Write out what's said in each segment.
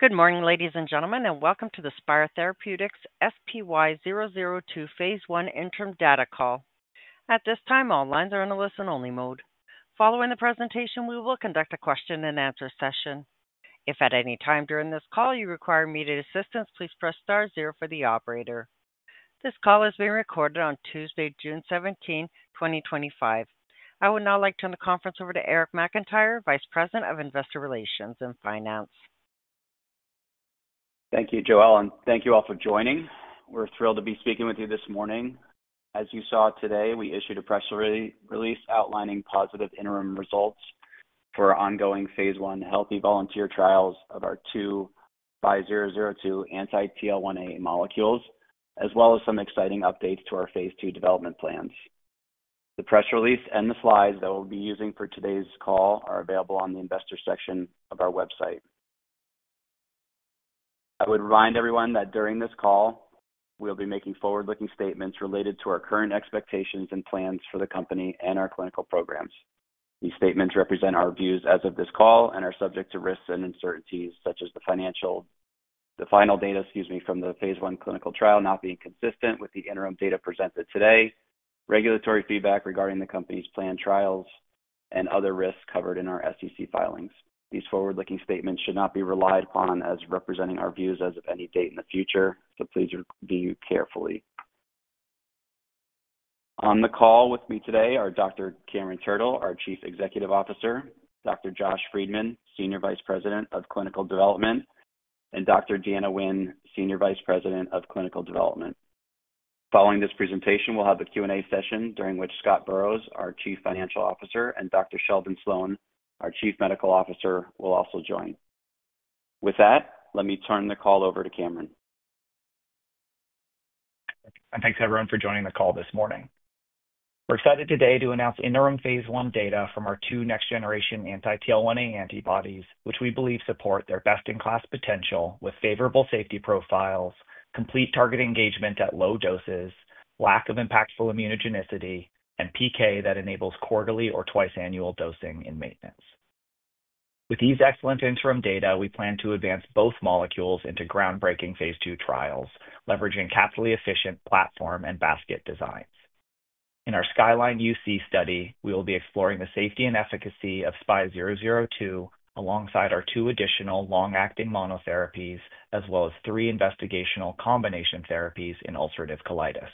Good morning, ladies and gentlemen, and welcome to the Spyre Therapeutics SPY002 Phase 1 interim data call. At this time, all lines are in a listen-only mode. Following the presentation, we will conduct a question-and-answer session. If at any time during this call you require immediate assistance, please press star zero for the operator. This call is being recorded on Tuesday, June 17, 2025. I would now like to turn the conference over to Eric McIntyre, Vice President of Investor Relations and Finance. Thank you, Joelle, and thank you all for joining. We're thrilled to be speaking with you this morning. As you saw today, we issued a press release outlining positive interim results for ongoing Phase 1 healthy volunteer trials of our two SPY002 anti-TL1A molecules, as well as some exciting updates to our Phase 2 development plans. The press release and the slides that we'll be using for today's call are available on the investor section of our website. I would remind everyone that during this call, we'll be making forward-looking statements related to our current expectations and plans for the company and our clinical programs. These statements represent our views as of this call and are subject to risks and uncertainties, such as the final data, excuse me, from the Phase 1 clinical trial not being consistent with the interim data presented today, regulatory feedback regarding the company's planned trials, and other risks covered in our SEC filings. These forward-looking statements should not be relied upon as representing our views as of any date in the future, so please review carefully. On the call with me today are Dr. Cameron Turtle, our Chief Executive Officer; Dr. Josh Friedman, Senior Vice President of Clinical Development; and Dr. Deanna Nguyen, Senior Vice President of Clinical Development. Following this presentation, we'll have a Q&A session during which Scott Burrows, our Chief Financial Officer, and Dr. Sheldon Sloan, our Chief Medical Officer, will also join. With that, let me turn the call over to Cameron. Thanks everyone for joining the call this morning. We're excited today to announce interim Phase 1 data from our two next-generation anti-TL1A antibodies, which we believe support their best-in-class potential with favorable safety profiles, complete target engagement at low doses, lack of impactful immunogenicity, and PK that enables Quarterly or twice-annual dosing in maintenance. With these excellent interim data, we plan to advance both molecules into groundbreaking Phase 2 trials, leveraging capsule-efficient platform and basket designs. In our Skyline UC study, we will be exploring the safety and efficacy of SPY002 alongside our two additional long-acting monotherapies, as well as three investigational combination therapies in ulcerative colitis.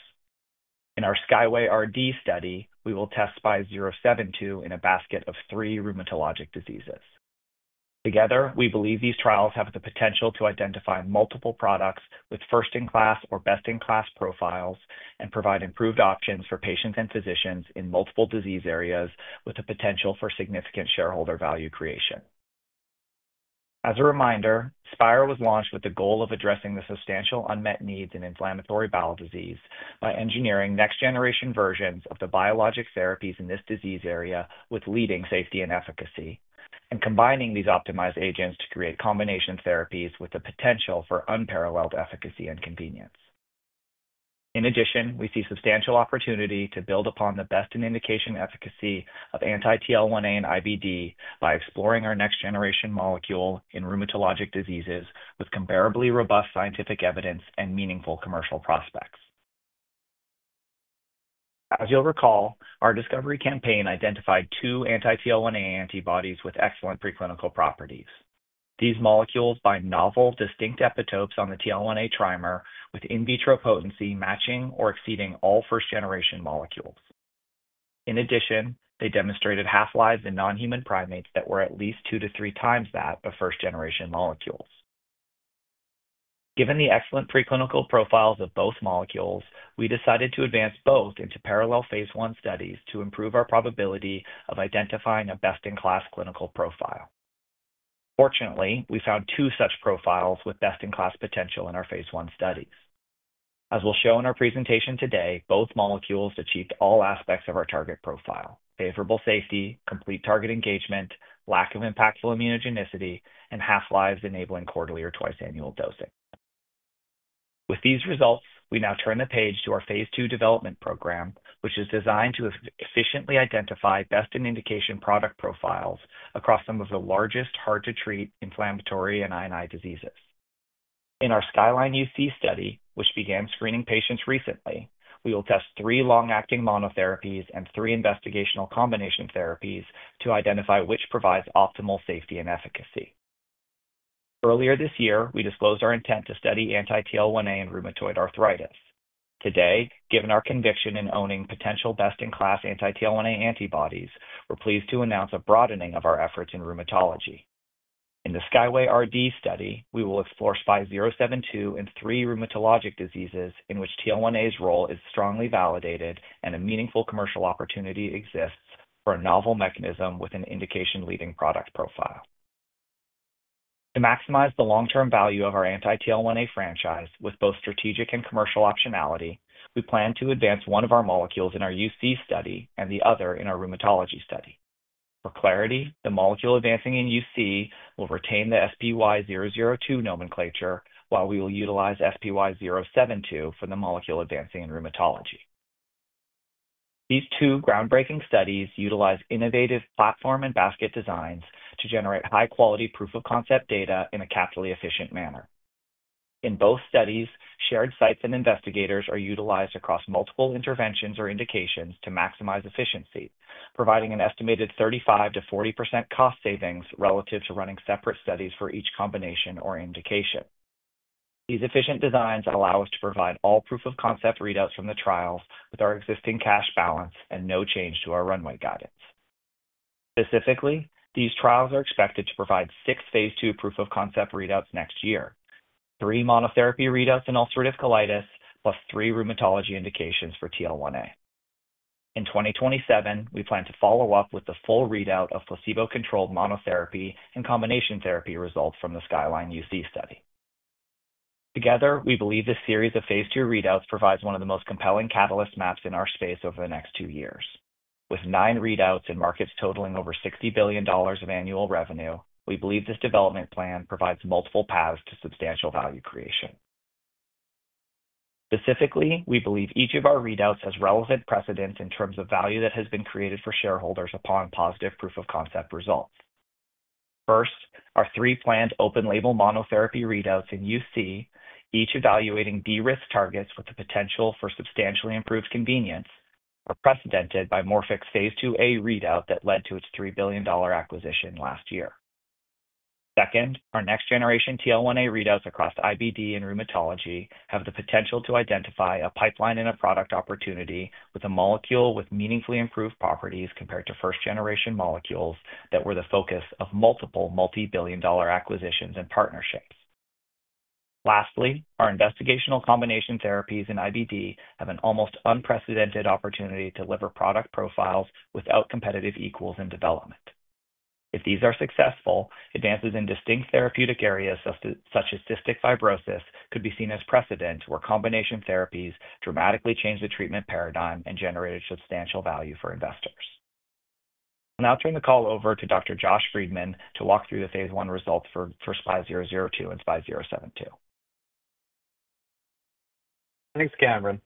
In our Skyway RD study, we will test SPY072 in a basket of three rheumatologic diseases. Together, we believe these trials have the potential to identify multiple products with first-in-class or best-in-class profiles and provide improved options for patients and physicians in multiple disease areas with the potential for significant shareholder value creation. As a reminder, Spyre Therapeutics was launched with the goal of addressing the substantial unmet needs in inflammatory bowel disease by engineering next-generation versions of the biologic therapies in this disease area with leading safety and efficacy, and combining these optimized agents to create combination therapies with the potential for unparalleled efficacy and convenience. In addition, we see substantial opportunity to build upon the best-in-indication efficacy of anti-TL1A and IBD by exploring our next-generation molecule in rheumatologic diseases with comparably robust scientific evidence and meaningful commercial prospects. As you'll recall, our discovery campaign identified two anti-TL1A antibodies with excellent preclinical properties. These molecules bind novel, distinct epitopes on the TL1A trimer with in vitro potency matching or exceeding all first-generation molecules. In addition, they demonstrated half-lives in non-human primates that were at least two to three times that of first-generation molecules. Given the excellent preclinical profiles of both molecules, we decided to advance both into parallel Phase 1 studies to improve our probability of identifying a best-in-class clinical profile. Fortunately, we found two such profiles with best-in-class potential in our Phase 1 studies. As we'll show in our presentation today, both molecules achieved all aspects of our target profile: favorable safety, complete target engagement, lack of impactful immunogenicity, and half-lives enabling Quarterly or twice-annual dosing. With these results, we now turn the page to our Phase 2 development program, which is designed to efficiently identify best-in-indication product profiles across some of the largest hard-to-treat inflammatory and INI diseases. In our Skyline UC study, which began screening patients recently, we will test three long-acting monotherapies and three investigational combination therapies to identify which provides optimal safety and efficacy. Earlier this year, we disclosed our intent to study anti-TL1A in rheumatoid arthritis. Today, given our conviction in owning potential best-in-class anti-TL1A antibodies, we're pleased to announce a broadening of our efforts in rheumatology. In the Skyway RD study, we will explore SPY072 in three rheumatologic diseases in which TL1A's role is strongly validated and a meaningful commercial opportunity exists for a novel mechanism with an indication-leading product profile. To maximize the long-term value of our anti-TL1A franchise with both strategic and commercial optionality, we plan to advance one of our molecules in our UC study and the other in our rheumatology study. For clarity, the molecule advancing in UC will retain the SPY002 nomenclature while we will utilize SPY072 for the molecule advancing in rheumatology. These two groundbreaking studies utilize innovative platform and basket designs to generate high-quality proof-of-concept data in a capsule-efficient manner. In both studies, shared sites and investigators are utilized across multiple interventions or indications to maximize efficiency, providing an estimated 35-40% cost savings relative to running separate studies for each combination or indication. These efficient designs allow us to provide all proof-of-concept readouts from the trials with our existing cash balance and no change to our runway guidance. Specifically, these trials are expected to provide six Phase 2 proof-of-concept readouts next year, three monotherapy readouts in ulcerative colitis, plus three rheumatology indications for TL1A. In 2027, we plan to follow up with the full readout of placebo-controlled monotherapy and combination therapy results from the Skyline UC study. Together, we believe this series of Phase 2 readouts provides one of the most compelling catalyst maps in our space over the next two years. With nine readouts and markets totaling over $60 billion of annual revenue, we believe this development plan provides multiple paths to substantial value creation. Specifically, we believe each of our readouts has relevant precedents in terms of value that has been created for shareholders upon positive proof-of-concept results. First, our three planned open-label monotherapy readouts in UC, each evaluating de-risked targets with the potential for substantially improved convenience, are precedented by Morphic's Phase 2a readout that led to its $3 billion acquisition last year. Second, our next-generation TL1A readouts across IBD and rheumatology have the potential to identify a pipeline and a product opportunity with a molecule with meaningfully improved properties compared to first-generation molecules that were the focus of multiple multi-billion dollar acquisitions and partnerships. Lastly, our investigational combination therapies in IBD have an almost unprecedented opportunity to deliver product profiles without competitive equals in development. If these are successful, advances in distinct therapeutic areas such as cystic fibrosis could be seen as precedents where combination therapies dramatically change the treatment paradigm and generate substantial value for investors. I'll now turn the call over to Dr. Josh Friedman to walk through the Phase 1 results for SPY002 and SPY072. Thanks, Cameron.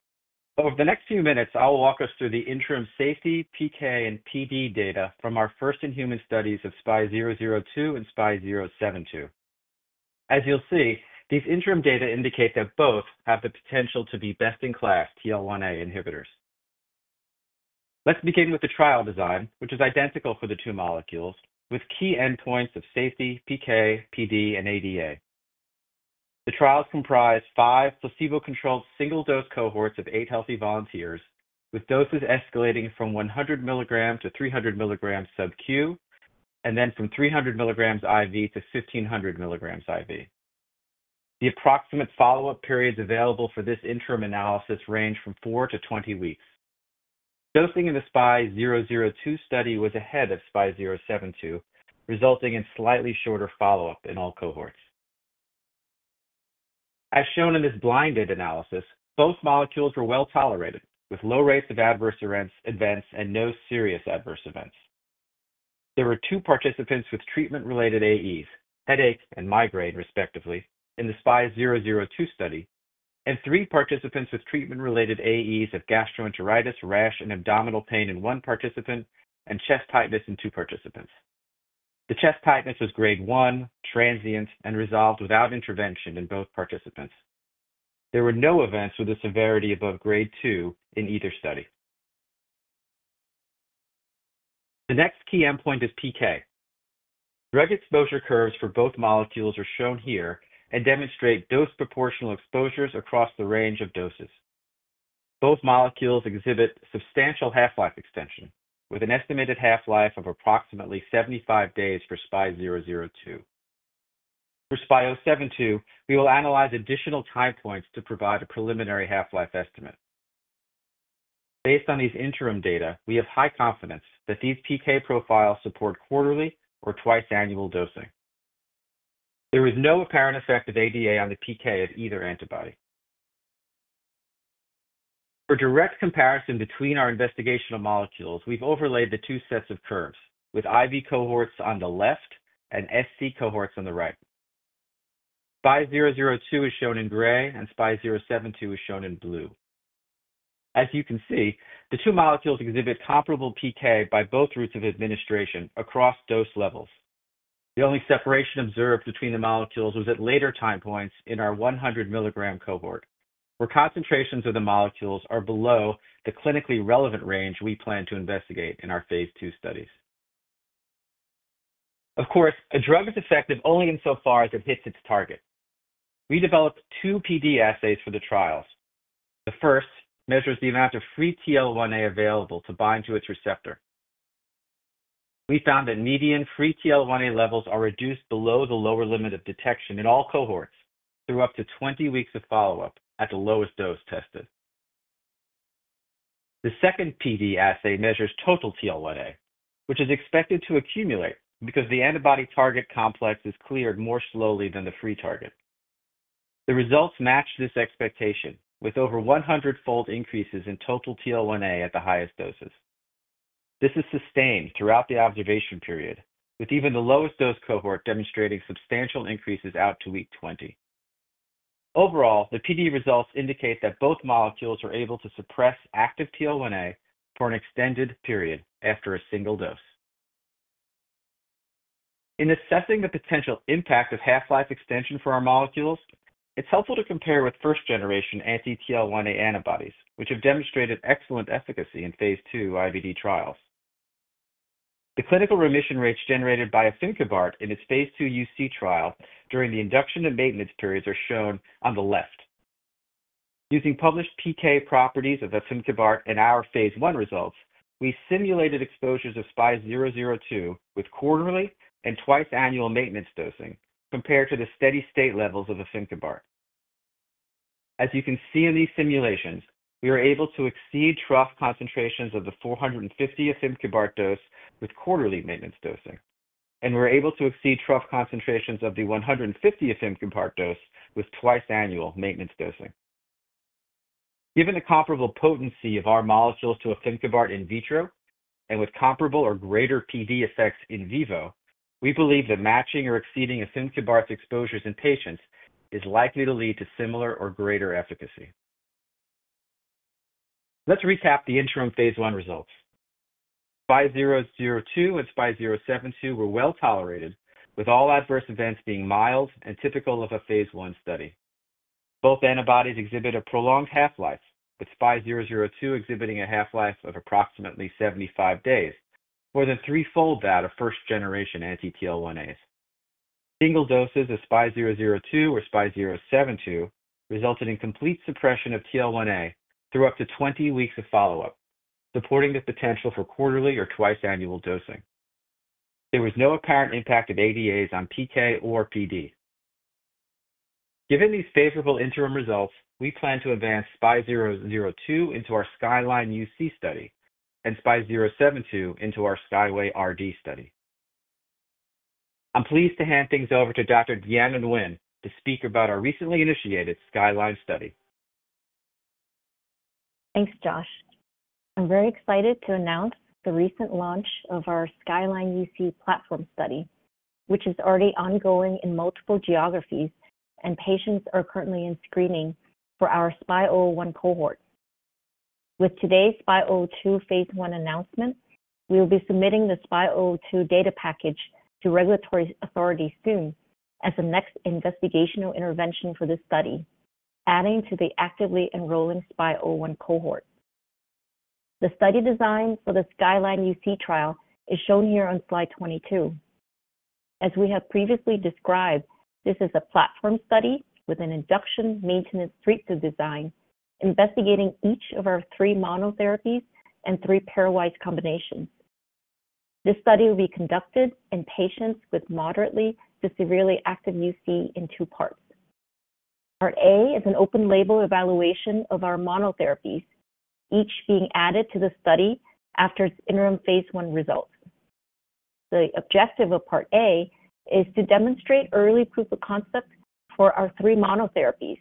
Over the next few minutes, I'll walk us through the interim safety, PK, and PD data from our first-in-human studies of SPY002 and SPY072. As you'll see, these interim data indicate that both have the potential to be best-in-class TL1A inhibitors. Let's begin with the trial design, which is identical for the two molecules, with key endpoints of safety, PK, PD, and ADA. The trials comprise five placebo-controlled single-dose cohorts of eight healthy volunteers, with doses escalating from 100 milligrams to 300 milligrams sub-q, and then from 300 milligrams IV to 1,500 milligrams IV. The approximate follow-up periods available for this interim analysis range from 4 to 20 weeks. Dosing in the SPY002 study was ahead of SPY072, resulting in slightly shorter follow-up in all cohorts. As shown in this blinded analysis, both molecules were well tolerated, with low rates of adverse events and no serious adverse events. There were two participants with treatment-related AEs, headache and migraine respectively, in the SPY002 study, and three participants with treatment-related AEs of gastroenteritis, rash, and abdominal pain in one participant, and chest tightness in two participants. The chest tightness was grade 1, transient, and resolved without intervention in both participants. There were no events with a severity above grade 2 in either study. The next key endpoint is PK. Drug exposure curves for both molecules are shown here and demonstrate dose-proportional exposures across the range of doses. Both molecules exhibit substantial half-life extension, with an estimated half-life of approximately 75 days for SPY002. For SPY072, we will analyze additional time points to provide a preliminary half-life estimate. Based on these interim data, we have high confidence that these PK profiles support Quarterly or twice-annual dosing. There is no apparent effect of ADA on the PK of either antibody. For direct comparison between our investigational molecules, we've overlaid the two sets of curves, with IV cohorts on the left and SC cohorts on the right. SPY002 is shown in gray, and SPY072 is shown in blue. As you can see, the two molecules exhibit comparable PK by both routes of administration across dose levels. The only separation observed between the molecules was at later time points in our 100 milligram cohort, where concentrations of the molecules are below the clinically relevant range we plan to investigate in our Phase 2 studies. Of course, a drug is effective only insofar as it hits its target. We developed two PD assays for the trials. The first measures the amount of free TL1A available to bind to its receptor. We found that median free TL1A levels are reduced below the lower limit of detection in all cohorts through up to 20 weeks of follow-up at the lowest dose tested. The second PD assay measures total TL1A, which is expected to accumulate because the antibody target complex is cleared more slowly than the free target. The results match this expectation, with over 100-fold increases in total TL1A at the highest doses. This is sustained throughout the observation period, with even the lowest dose cohort demonstrating substantial increases out to week 20. Overall, the PD results indicate that both molecules are able to suppress active TL1A for an extended period after a single dose. In assessing the potential impact of half-life extension for our molecules, it's helpful to compare with first-generation anti-TL1A antibodies, which have demonstrated excellent efficacy in Phase 2 IBD trials. The clinical remission rates generated by Afimkibart in its Phase 2 UC trial during the induction and maintenance periods are shown on the left. Using published PK properties of Afimkibart and our Phase 1 results, we simulated exposures of SPY002 with Quarterly and twice-annual maintenance dosing compared to the steady-state levels of Afimkibart. As you can see in these simulations, we were able to exceed trough concentrations of the 450 Afimkibart dose with Quarterly maintenance dosing, and we were able to exceed trough concentrations of the 150 Afimkibart dose with twice-annual maintenance dosing. Given the comparable potency of our molecules to Afimkibart in vitro and with comparable or greater PD effects in vivo, we believe that matching or exceeding Afimkibart exposures in patients is likely to lead to similar or greater efficacy. Let's recap the interim Phase 1 results. SPY002 and SPY072 were well tolerated, with all adverse events being mild and typical of a Phase 1 study. Both antibodies exhibit a prolonged half-life, with SPY002 exhibiting a half-life of approximately 75 days, more than threefold that of first-generation anti-TL1As. Single doses of SPY002 or SPY072 resulted in complete suppression of TL1A through up to 20 weeks of follow-up, supporting the potential for Quarterly or twice-annual dosing. There was no apparent impact of ADAs on PK or PD. Given these favorable interim results, we plan to advance SPY002 into our Skyline UC study and SPY072 into our Skyway RD study. I'm pleased to hand things over to Dr. Deanna Nguyen to speak about our recently initiated Skyline study. Thanks, Josh. I'm very excited to announce the recent launch of our Skyline UC platform study, which is already ongoing in multiple geographies, and patients are currently in screening for our SPY001 cohort. With today's SPY002 Phase I announcement, we will be submitting the SPY002 data package to regulatory authorities soon as the next investigational intervention for this study, adding to the actively enrolling SPY001 cohort. The study design for the Skyline UC trial is shown here on slide 22. As we have previously described, this is a platform study with an induction maintenance treatment design, investigating each of our three monotherapies and three pairwise combinations. This study will be conducted in patients with moderately to severely active UC in two parts. Part A is an open-label evaluation of our monotherapies, each being added to the study after its interim Phase I results. The objective of Part A is to demonstrate early proof-of-concept for our three monotherapies,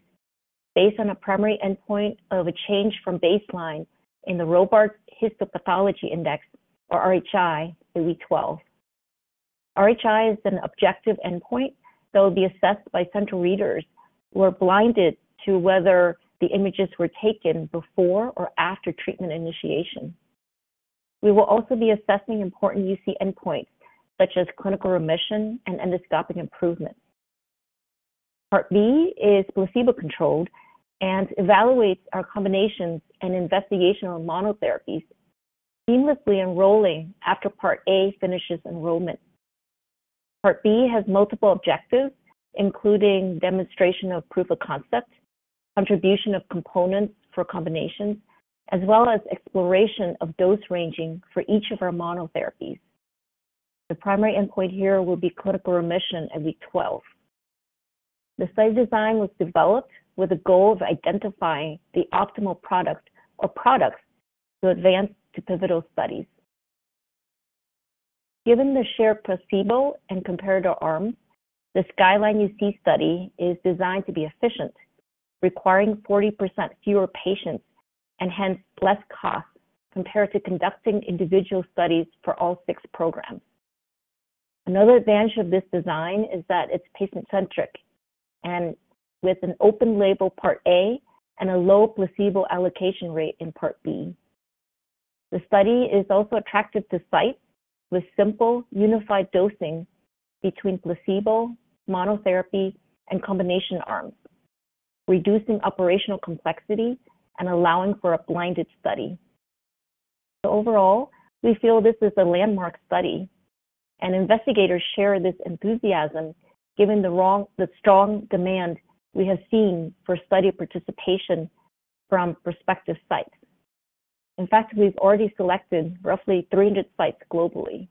based on a primary endpoint of a change from baseline in the Robarts Histopathology Index, or RHI, in week 12. RHI is an objective endpoint that will be assessed by central readers who are blinded to whether the images were taken before or after treatment initiation. We will also be assessing important UC endpoints such as clinical remission and endoscopic improvement. Part B is placebo-controlled and evaluates our combinations and investigational monotherapies, seamlessly enrolling after Part A finishes enrollment. Part B has multiple objectives, including demonstration of proof-of-concept, contribution of components for combinations, as well as exploration of dose ranging for each of our monotherapies. The primary endpoint here will be clinical remission at week 12. The study design was developed with the goal of identifying the optimal product or products to advance to pivotal studies. Given the shared placebo and comparator arms, the Skyline UC study is designed to be efficient, requiring 40% fewer patients and hence less cost compared to conducting individual studies for all six programs. Another advantage of this design is that it's patient-centric and with an open-label Part A and a low placebo allocation rate in Part B. The study is also attractive to sites with simple unified dosing between placebo, monotherapy, and combination arms, reducing operational complexity and allowing for a blinded study. Overall, we feel this is a landmark study, and investigators share this enthusiasm given the strong demand we have seen for study participation from prospective sites. In fact, we've already selected roughly 300 sites globally.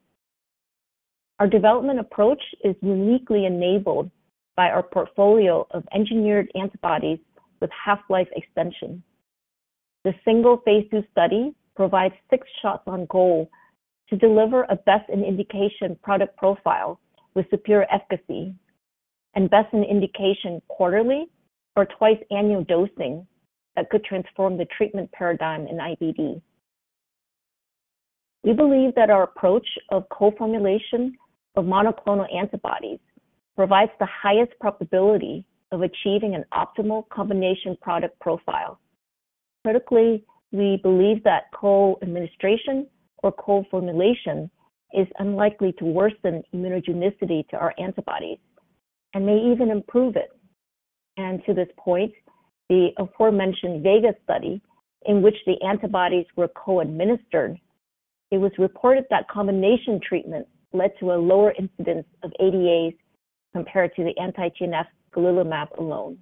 Our development approach is uniquely enabled by our portfolio of engineered antibodies with half-life extension. The single Phase 2 study provides six shots on goal to deliver a best-in-indication product profile with superior efficacy and best-in-indication Quarterly or twice-annual dosing that could transform the treatment paradigm in IBD. We believe that our approach of co-formulation of monoclonal antibodies provides the highest probability of achieving an optimal combination product profile. Critically, we believe that co-administration or co-formulation is unlikely to worsen immunogenicity to our antibodies and may even improve it. To this point, the aforementioned Vega study in which the antibodies were co-administered, it was reported that combination treatment led to a lower incidence of ADAs compared to the anti-TNF golimumab alone.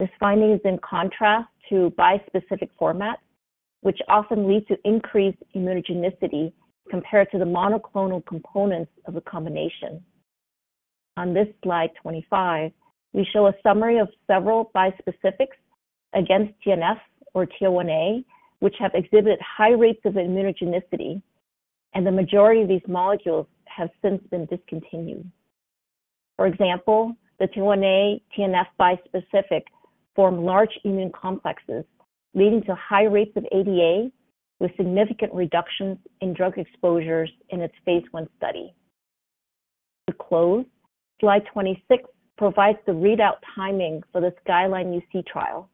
This finding is in contrast to bispecific formats, which often lead to increased immunogenicity compared to the monoclonal components of a combination. On this slide 25, we show a summary of several bispecifics against TNF or TL1A, which have exhibited high rates of immunogenicity, and the majority of these molecules have since been discontinued. For example, the TL1A-TNF bispecific form large immune complexes, leading to high rates of ADA with significant reductions in drug exposures in its Phase 1 study. To close, slide 26 provides the readout timing for the Skyline UC trial.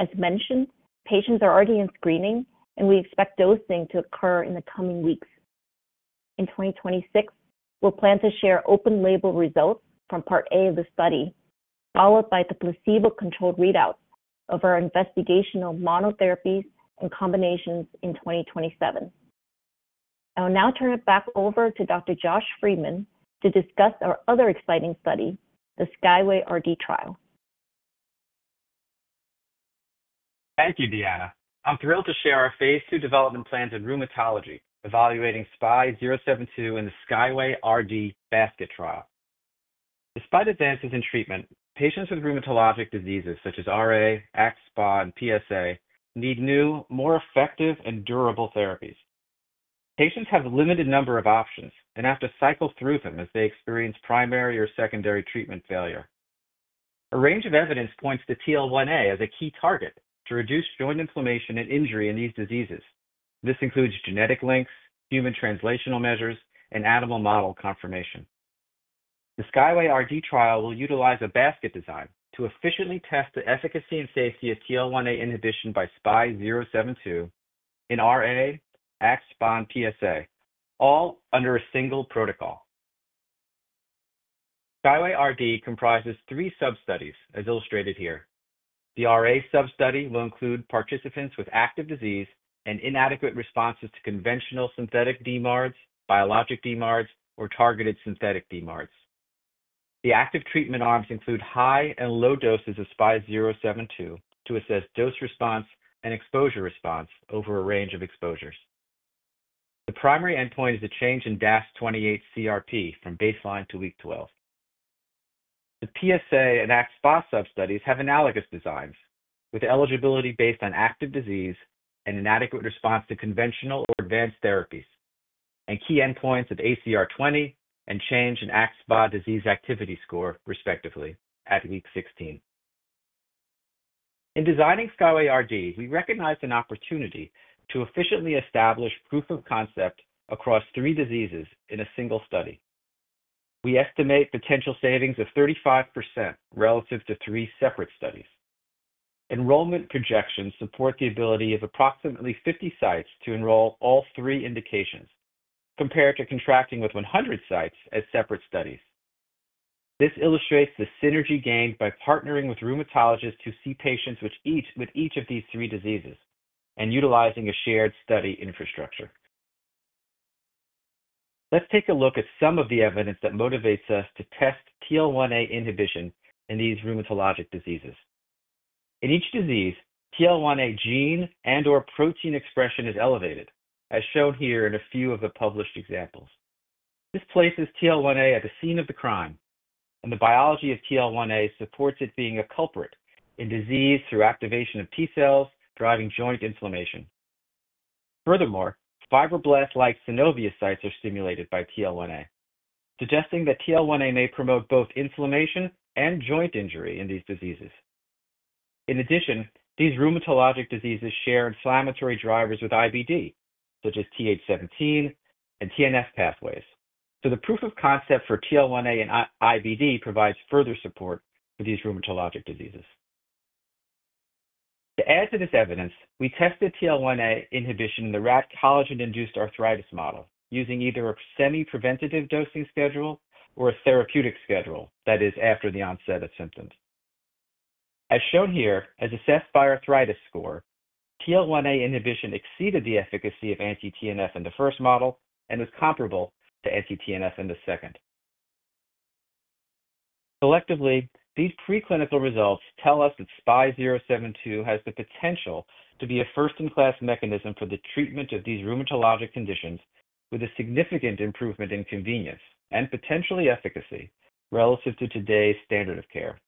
As mentioned, patients are already in screening, and we expect dosing to occur in the coming weeks. In 2026, we'll plan to share open-label results from Part A of the study, followed by the placebo-controlled readouts of our investigational monotherapies and combinations in 2027. I will now turn it back over to Dr. Josh Friedman to discuss our other exciting study, the Skyway RD trial. Thank you, Deanna. I'm thrilled to share our Phase 2 development plans in rheumatology evaluating SPY072 and the Skyway RD basket trial. Despite advances in treatment, patients with rheumatologic diseases such as RA, AxSpa, and PsA need new, more effective, and durable therapies. Patients have a limited number of options and have to cycle through them as they experience primary or secondary treatment failure. A range of evidence points to TL1A as a key target to reduce joint inflammation and injury in these diseases. This includes genetic links, human translational measures, and animal model confirmation. The Skyway RD trial will utilize a basket design to efficiently test the efficacy and safety of TL1A inhibition by SPY072 in RA, AxSpa, and PsA, all under a single protocol. Skyway RD comprises three sub-studies as illustrated here. The RA sub-study will include participants with active disease and inadequate responses to conventional synthetic DMARDs, biologic DMARDs, or targeted synthetic DMARDs. The active treatment arms include high and low doses of SPY072 to assess dose response and exposure response over a range of exposures. The primary endpoint is a change in DAS28 CRP from baseline to week 12. The PSA and AxSpa sub-studies have analogous designs with eligibility based on active disease and inadequate response to conventional or advanced therapies, and key endpoints of ACR20 and change in AxSpa disease activity score, respectively, at week 16. In designing Skyway RD, we recognized an opportunity to efficiently establish proof-of-concept across three diseases in a single study. We estimate potential savings of 35% relative to three separate studies. Enrollment projections support the ability of approximately 50 sites to enroll all three indications compared to contracting with 100 sites as separate studies. This illustrates the synergy gained by partnering with rheumatologists who see patients with each of these three diseases and utilizing a shared study infrastructure. Let's take a look at some of the evidence that motivates us to test TL1A inhibition in these rheumatologic diseases. In each disease, TL1A gene and/or protein expression is elevated, as shown here in a few of the published examples. This places TL1A at the scene of the crime, and the biology of TL1A supports it being a culprit in disease through activation of T cells driving joint inflammation. Furthermore, fibroblast-like synovial sites are stimulated by TL1A, suggesting that TL1A may promote both inflammation and joint injury in these diseases. In addition, these rheumatologic diseases share inflammatory drivers with IBD, such as TH17 and TNF pathways, so the proof-of-concept for TL1A in IBD provides further support for these rheumatologic diseases. To add to this evidence, we tested TL1A inhibition in the rat collagen-induced arthritis model using either a semi-preventative dosing schedule or a therapeutic schedule that is after the onset of symptoms. As shown here, as assessed by arthritis score, TL1A inhibition exceeded the efficacy of anti-TNF in the first model and was comparable to anti-TNF in the second. Collectively, these preclinical results tell us that SPY072 has the potential to be a first-in-class mechanism for the treatment of these rheumatologic conditions with a significant improvement in convenience and potentially efficacy relative to today's standard of care.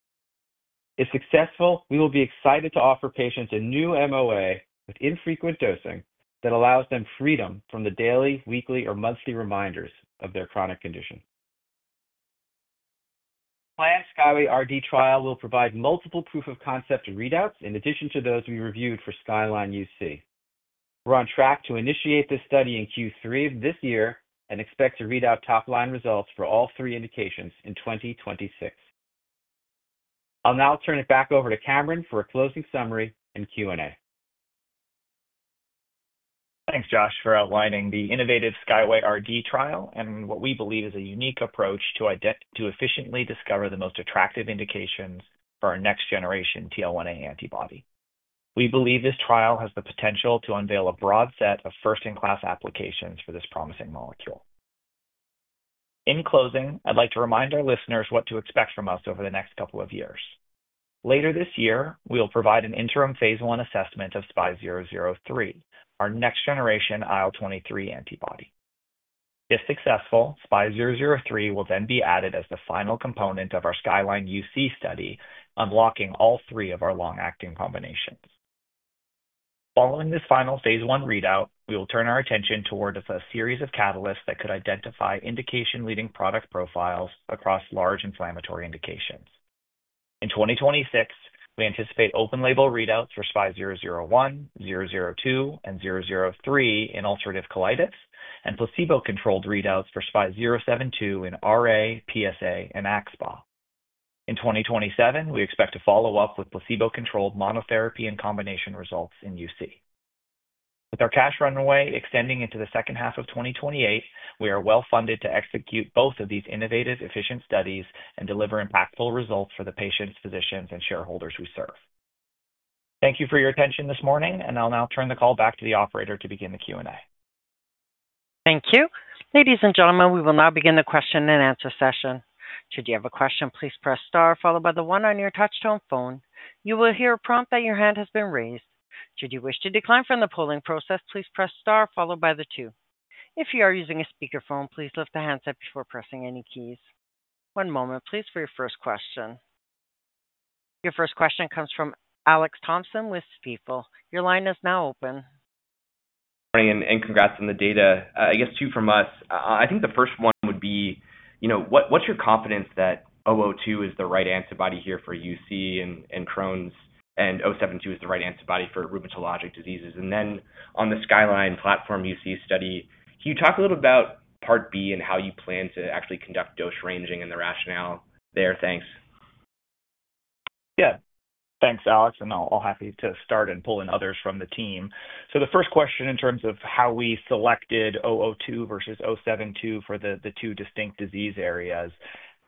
If successful, we will be excited to offer patients a new MOA with infrequent dosing that allows them freedom from the daily, weekly, or monthly reminders of their chronic condition. The planned Skyway RD trial will provide multiple proof-of-concept readouts in addition to those we reviewed for Skyline UC. We're on track to initiate this study in Q3 of this year and expect to read out top-line results for all three indications in 2026. I'll now turn it back over to Cameron for a closing summary and Q&A. Thanks, Josh, for outlining the innovative Skyway RD trial and what we believe is a unique approach to efficiently discover the most attractive indications for our next-generation TL1A antibody. We believe this trial has the potential to unveil a broad set of first-in-class applications for this promising molecule. In closing, I'd like to remind our listeners what to expect from us over the next couple of years. Later this year, we'll provide an interim Phase 1 assessment of SPY003, our next-generation IL-23 antibody. If successful, SPY003 will then be added as the final component of our Skyline UC study, unlocking all three of our long-acting combinations. Following this final Phase 1 readout, we will turn our attention toward a series of catalysts that could identify indication-leading product profiles across large inflammatory indications. In 2026, we anticipate open-label readouts for SPY001, SPY002, and SPY003 in ulcerative colitis, and placebo-controlled readouts for SPY072 in RA, PsA, and AxSpa. In 2027, we expect to follow up with placebo-controlled monotherapy and combination results in UC. With our cash runway extending into the second half of 2028, we are well-funded to execute both of these innovative, efficient studies and deliver impactful results for the patients, physicians, and shareholders we serve. Thank you for your attention this morning, and I'll now turn the call back to the operator to begin the Q&A. Thank you. Ladies and gentlemen, we will now begin the question and answer session. Should you have a question, please press star, followed by the one on your touch-tone phone. You will hear a prompt that your hand has been raised. Should you wish to decline from the polling process, please press star, followed by the two. If you are using a speakerphone, please lift the hands up before pressing any keys. One moment, please, for your first question. Your first question comes from Alex Thompson with Stifel. Your line is now open. Good morning and congrats on the data. I guess two from us. I think the first one would be, you know, what's your confidence that 002 is the right antibody here for UC and Crohn's, and 072 is the right antibody for rheumatologic diseases? And then on the Skyline platform UC study, can you talk a little bit about Part B and how you plan to actually conduct dose ranging and the rationale there? Thanks. Yeah. Thanks, Alex, and I'm happy to start and pull in others from the team. The first question in terms of how we selected 002 versus 072 for the two distinct disease areas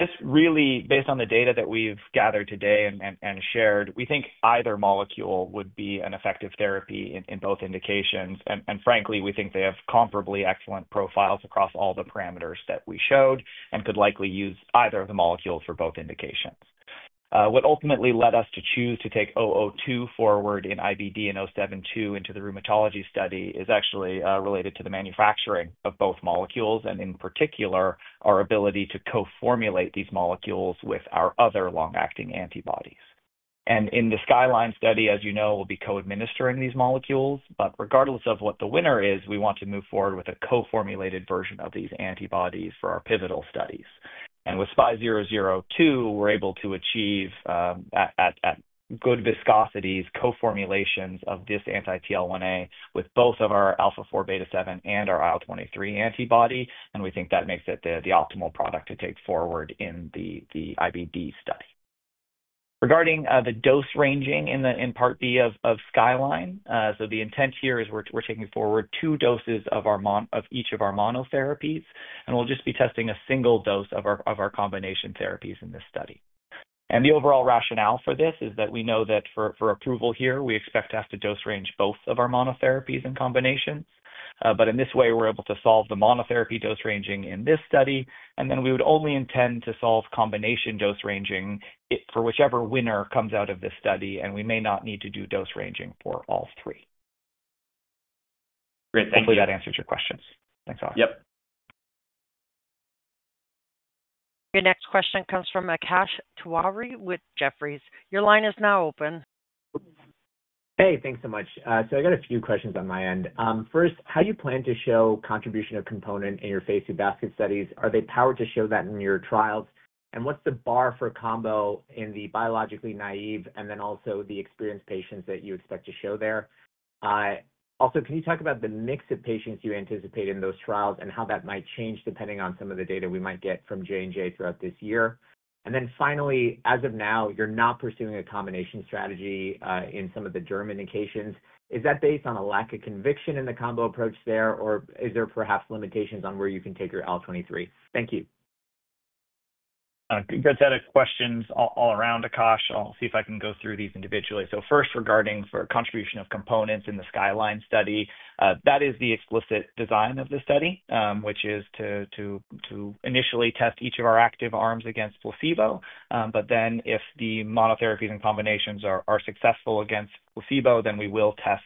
is just really based on the data that we've gathered to date and shared. We think either molecule would be an effective therapy in both indications. Frankly, we think they have comparably excellent profiles across all the parameters that we showed and could likely use either of the molecules for both indications. What ultimately led us to choose to take 002 forward in IBD and 072 into the rheumatology study is actually related to the manufacturing of both molecules and, in particular, our ability to co-formulate these molecules with our other long-acting antibodies. In the Skyline study, as you know, we'll be co-administering these molecules, but regardless of what the winner is, we want to move forward with a co-formulated version of these antibodies for our pivotal studies. With SPY002, we're able to achieve at good viscosities co-formulations of this anti-TL1A with both of our α4β7 and our IL-23 antibody, and we think that makes it the optimal product to take forward in the IBD study. Regarding the dose ranging in part B of Skyline, the intent here is we're taking forward two doses of each of our monotherapies, and we'll just be testing a single dose of our combination therapies in this study. The overall rationale for this is that we know that for approval here, we expect to have to dose range both of our monotherapies and combinations. In this way, we're able to solve the monotherapy dose ranging in this study, and then we would only intend to solve combination dose ranging for whichever winner comes out of this study, and we may not need to do dose ranging for all three. Great. Thank you. Hopefully, that answers your questions. Thanks, Alex. Yep. Your next question comes from Akash Tewari with Jefferies. Your line is now open. Hey, thanks so much. I got a few questions on my end. First, how do you plan to show contribution of component in your Phase 2 basket studies? Are they powered to show that in your trials? What's the bar for combo in the biologically naive and then also the experienced patients that you expect to show there? Also, can you talk about the mix of patients you anticipate in those trials and how that might change depending on some of the data we might get from J&J throughout this year? Finally, as of now, you're not pursuing a combination strategy in some of the germ indications. Is that based on a lack of conviction in the combo approach there, or is there perhaps limitations on where you can take your IL-23? Thank you. Good set of questions all around, Akash. I'll see if I can go through these individually. First, regarding contribution of components in the Skyline study, that is the explicit design of the study, which is to initially test each of our active arms against placebo, but then if the monotherapies and combinations are successful against placebo, we will test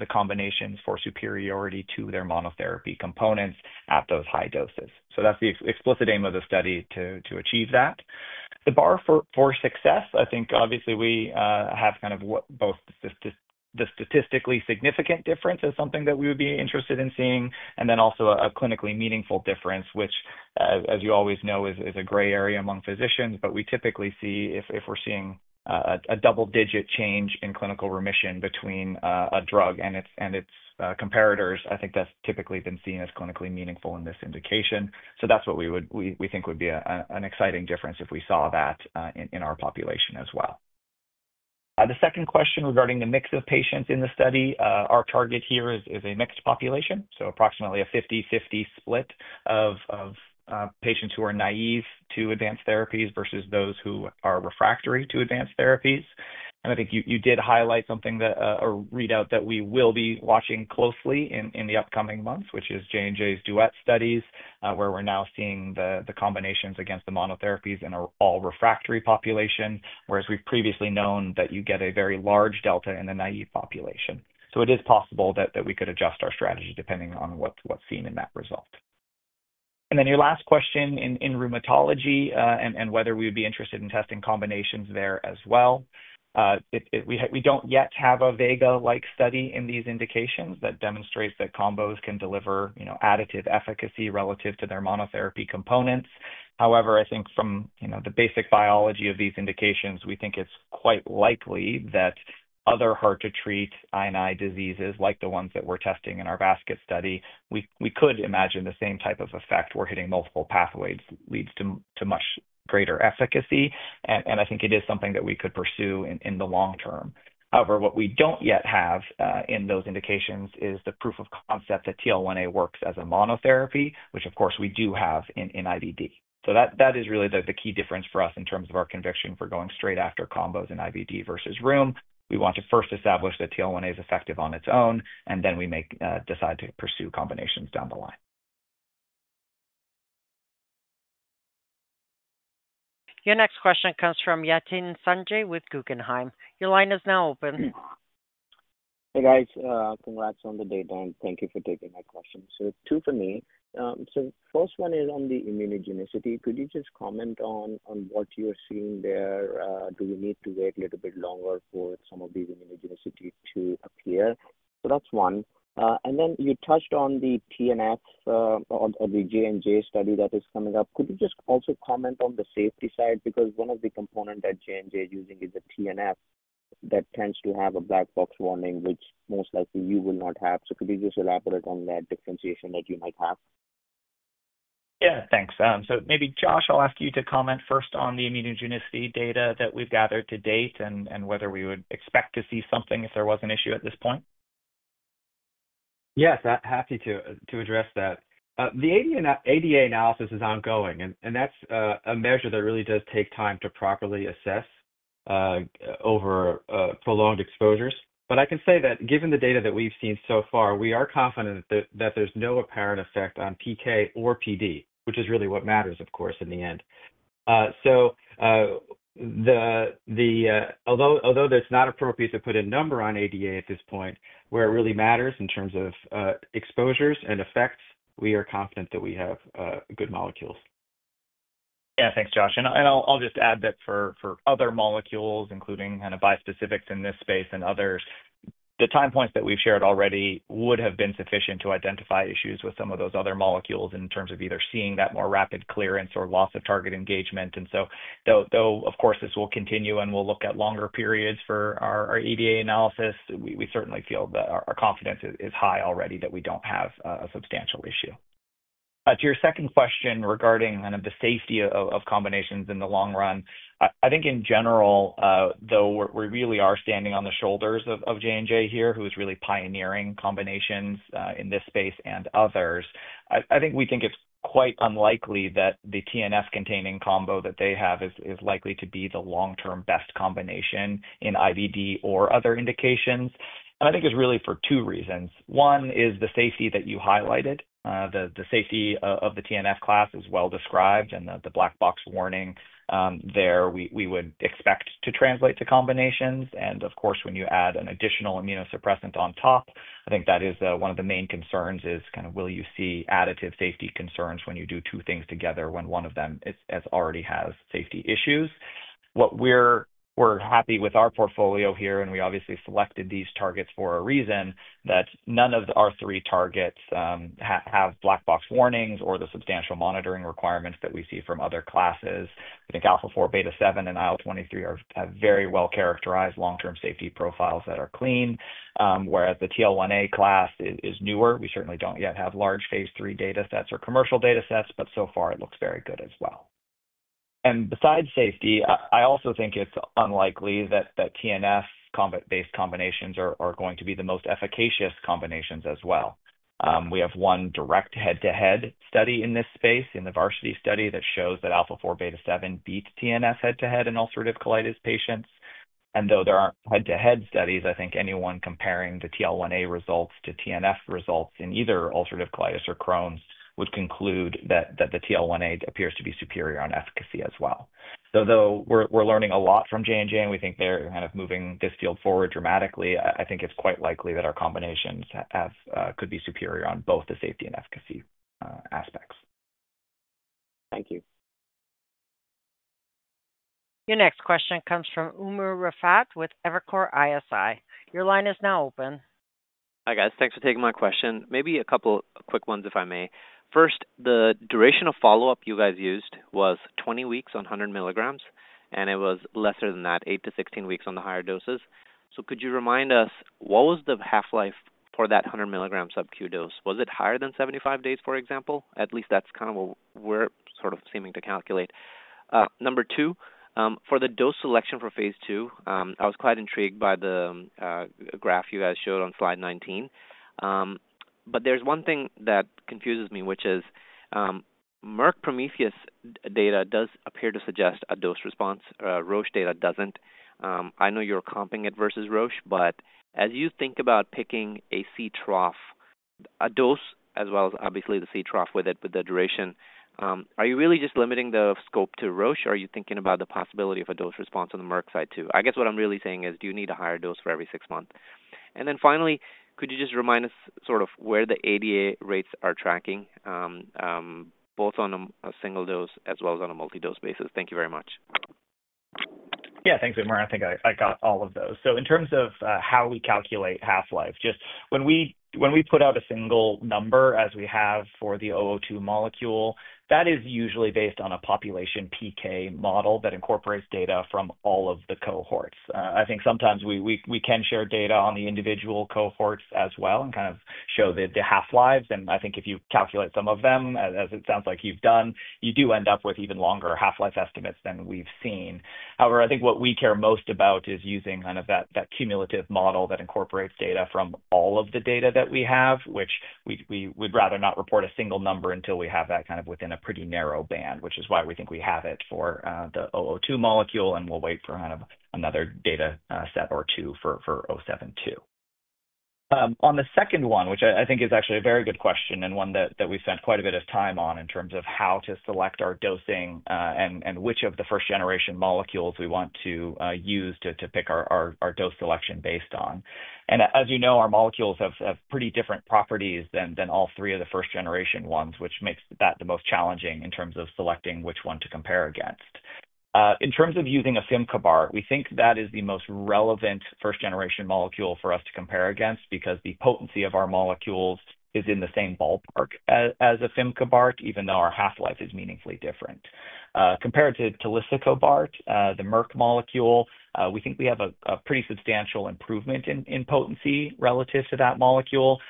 the combinations for superiority to their monotherapy components at those high doses. That is the explicit aim of the study to achieve that. The bar for success, I think obviously we have kind of both the statistically significant difference as something that we would be interested in seeing, and then also a clinically meaningful difference, which, as you always know, is a gray area among physicians, but we typically see if we're seeing a double-digit change in clinical remission between a drug and its comparators, I think that's typically been seen as clinically meaningful in this indication. That is what we think would be an exciting difference if we saw that in our population as well. The second question regarding the mix of patients in the study, our target here is a mixed population, so approximately a 50-50 split of patients who are naive to advanced therapies versus those who are refractory to advanced therapies. I think you did highlight something, a readout that we will be watching closely in the upcoming months, which is J&J's Duet studies, where we're now seeing the combinations against the monotherapies in an all-refractory population, whereas we've previously known that you get a very large delta in the naive population. It is possible that we could adjust our strategy depending on what's seen in that result. Your last question in rheumatology and whether we would be interested in testing combinations there as well. We don't yet have a Vega-like study in these indications that demonstrates that combos can deliver additive efficacy relative to their monotherapy components. However, I think from the basic biology of these indications, we think it's quite likely that other hard-to-treat INI diseases, like the ones that we're testing in our basket study, we could imagine the same type of effect where hitting multiple pathways leads to much greater efficacy, and I think it is something that we could pursue in the long term. However, what we don't yet have in those indications is the proof of concept that TL1A works as a monotherapy, which, of course, we do have in IBD. That is really the key difference for us in terms of our conviction for going straight after combos in IBD versus ROME. We want to first establish that TL1A is effective on its own, and then we decide to pursue combinations down the line. Your next question comes from Yatin Suneja with Guggenheim. Your line is now open. Hey, guys. Congrats on the data, and thank you for taking my question. Two for me. The first one is on the immunogenicity. Could you just comment on what you're seeing there? Do we need to wait a little bit longer for some of these immunogenicity to appear? That is one. You touched on the TNF or the J&J study that is coming up. Could you just also comment on the safety side? One of the components that J&J is using is a TNF that tends to have a black box warning, which most likely you will not have. Could you just elaborate on that differentiation that you might have? Yeah, thanks. Maybe, Josh, I'll ask you to comment first on the immunogenicity data that we've gathered to date and whether we would expect to see something if there was an issue at this point. Yes, happy to address that. The ADA analysis is ongoing, and that's a measure that really does take time to properly assess over prolonged exposures. I can say that given the data that we've seen so far, we are confident that there's no apparent effect on PK or PD, which is really what matters, of course, in the end. Although it's not appropriate to put a number on ADA at this point, where it really matters in terms of exposures and effects, we are confident that we have good molecules. Yeah, thanks, Josh. I'll just add that for other molecules, including kind of bispecifics in this space and others, the time points that we've shared already would have been sufficient to identify issues with some of those other molecules in terms of either seeing that more rapid clearance or loss of target engagement. Though, of course, this will continue and we'll look at longer periods for our EDA analysis, we certainly feel that our confidence is high already that we don't have a substantial issue. To your second question regarding kind of the safety of combinations in the long run, I think in general, though we really are standing on the shoulders of J&J here, who is really pioneering combinations in this space and others, I think we think it's quite unlikely that the TNF-containing combo that they have is likely to be the long-term best combination in IBD or other indications. I think it's really for two reasons. One is the safety that you highlighted. The safety of the TNF class is well described, and the black box warning there, we would expect to translate to combinations. Of course, when you add an additional immunosuppressant on top, I think that is one of the main concerns is kind of will you see additive safety concerns when you do two things together when one of them already has safety issues. What we're happy with our portfolio here, and we obviously selected these targets for a reason, that none of our three targets have black box warnings or the substantial monitoring requirements that we see from other classes. I think α4β7 and IL-23 have very well-characterized long-term safety profiles that are clean, whereas the TL1A class is newer. We certainly do not yet have large Phase 3 datasets or commercial datasets, but so far it looks very good as well. Besides safety, I also think it's unlikely that TNF-based combinations are going to be the most efficacious combinations as well. We have one direct head-to-head study in this space, in the Varsity study, that shows that α4β7 beat TNF head-to-head in ulcerative colitis patients. Though there are not head-to-head studies, I think anyone comparing the TL1A results to TNF results in either ulcerative colitis or Crohn's would conclude that the TL1A appears to be superior on efficacy as well. We are learning a lot from J&J, and we think they are kind of moving this field forward dramatically. I think it is quite likely that our combinations could be superior on both the safety and efficacy aspects. Thank you. Your next question comes from Umer Raffat with Evercore ISI. Your line is now open. Hi guys. Thanks for taking my question. Maybe a couple of quick ones if I may. First, the duration of follow-up you guys used was 20 weeks on 100 milligrams, and it was lesser than that, 8-16 weeks on the higher doses. Could you remind us what was the half-life for that 100 milligram sub-Q dose? Was it higher than 75 days, for example? At least that's kind of what we're sort of seeming to calculate. Number two, for the dose selection for Phase 2, I was quite intrigued by the graph you guys showed on slide 19. There's one thing that confuses me, which is Merck Prometheus data does appear to suggest a dose response. Roche data doesn't. I know you're comping it versus Roche, but as you think about picking a CTROF, a dose as well as obviously the CTROF with the duration, are you really just limiting the scope to Roche? Are you thinking about the possibility of a dose response on the Merck side too? I guess what I'm really saying is, do you need a higher dose for every six months? Finally, could you just remind us sort of where the ADA rates are tracking, both on a single dose as well as on a multi-dose basis? Thank you very much. Yeah, thanks, Umer. I think I got all of those. In terms of how we calculate half-life, just when we put out a single number as we have for the 002 molecule, that is usually based on a population PK model that incorporates data from all of the cohorts. I think sometimes we can share data on the individual cohorts as well and kind of show the half-lives. I think if you calculate some of them, as it sounds like you've done, you do end up with even longer half-life estimates than we've seen. However, I think what we care most about is using kind of that cumulative model that incorporates data from all of the data that we have, which we would rather not report a single number until we have that kind of within a pretty narrow band, which is why we think we have it for the 002 molecule, and we'll wait for kind of another data set or two for 072. On the second one, which I think is actually a very good question and one that we spent quite a bit of time on in terms of how to select our dosing and which of the first-generation molecules we want to use to pick our dose selection based on. As you know, our molecules have pretty different properties than all three of the first-generation ones, which makes that the most challenging in terms of selecting which one to compare against. In terms of using Afimkibart, we think that is the most relevant first-generation molecule for us to compare against because the potency of our molecules is in the same ballpark as Afimkibart, even though our half-life is meaningfully different. Compared to Talisokibart, the Merck molecule, we think we have a pretty substantial improvement in potency relative to that molecule.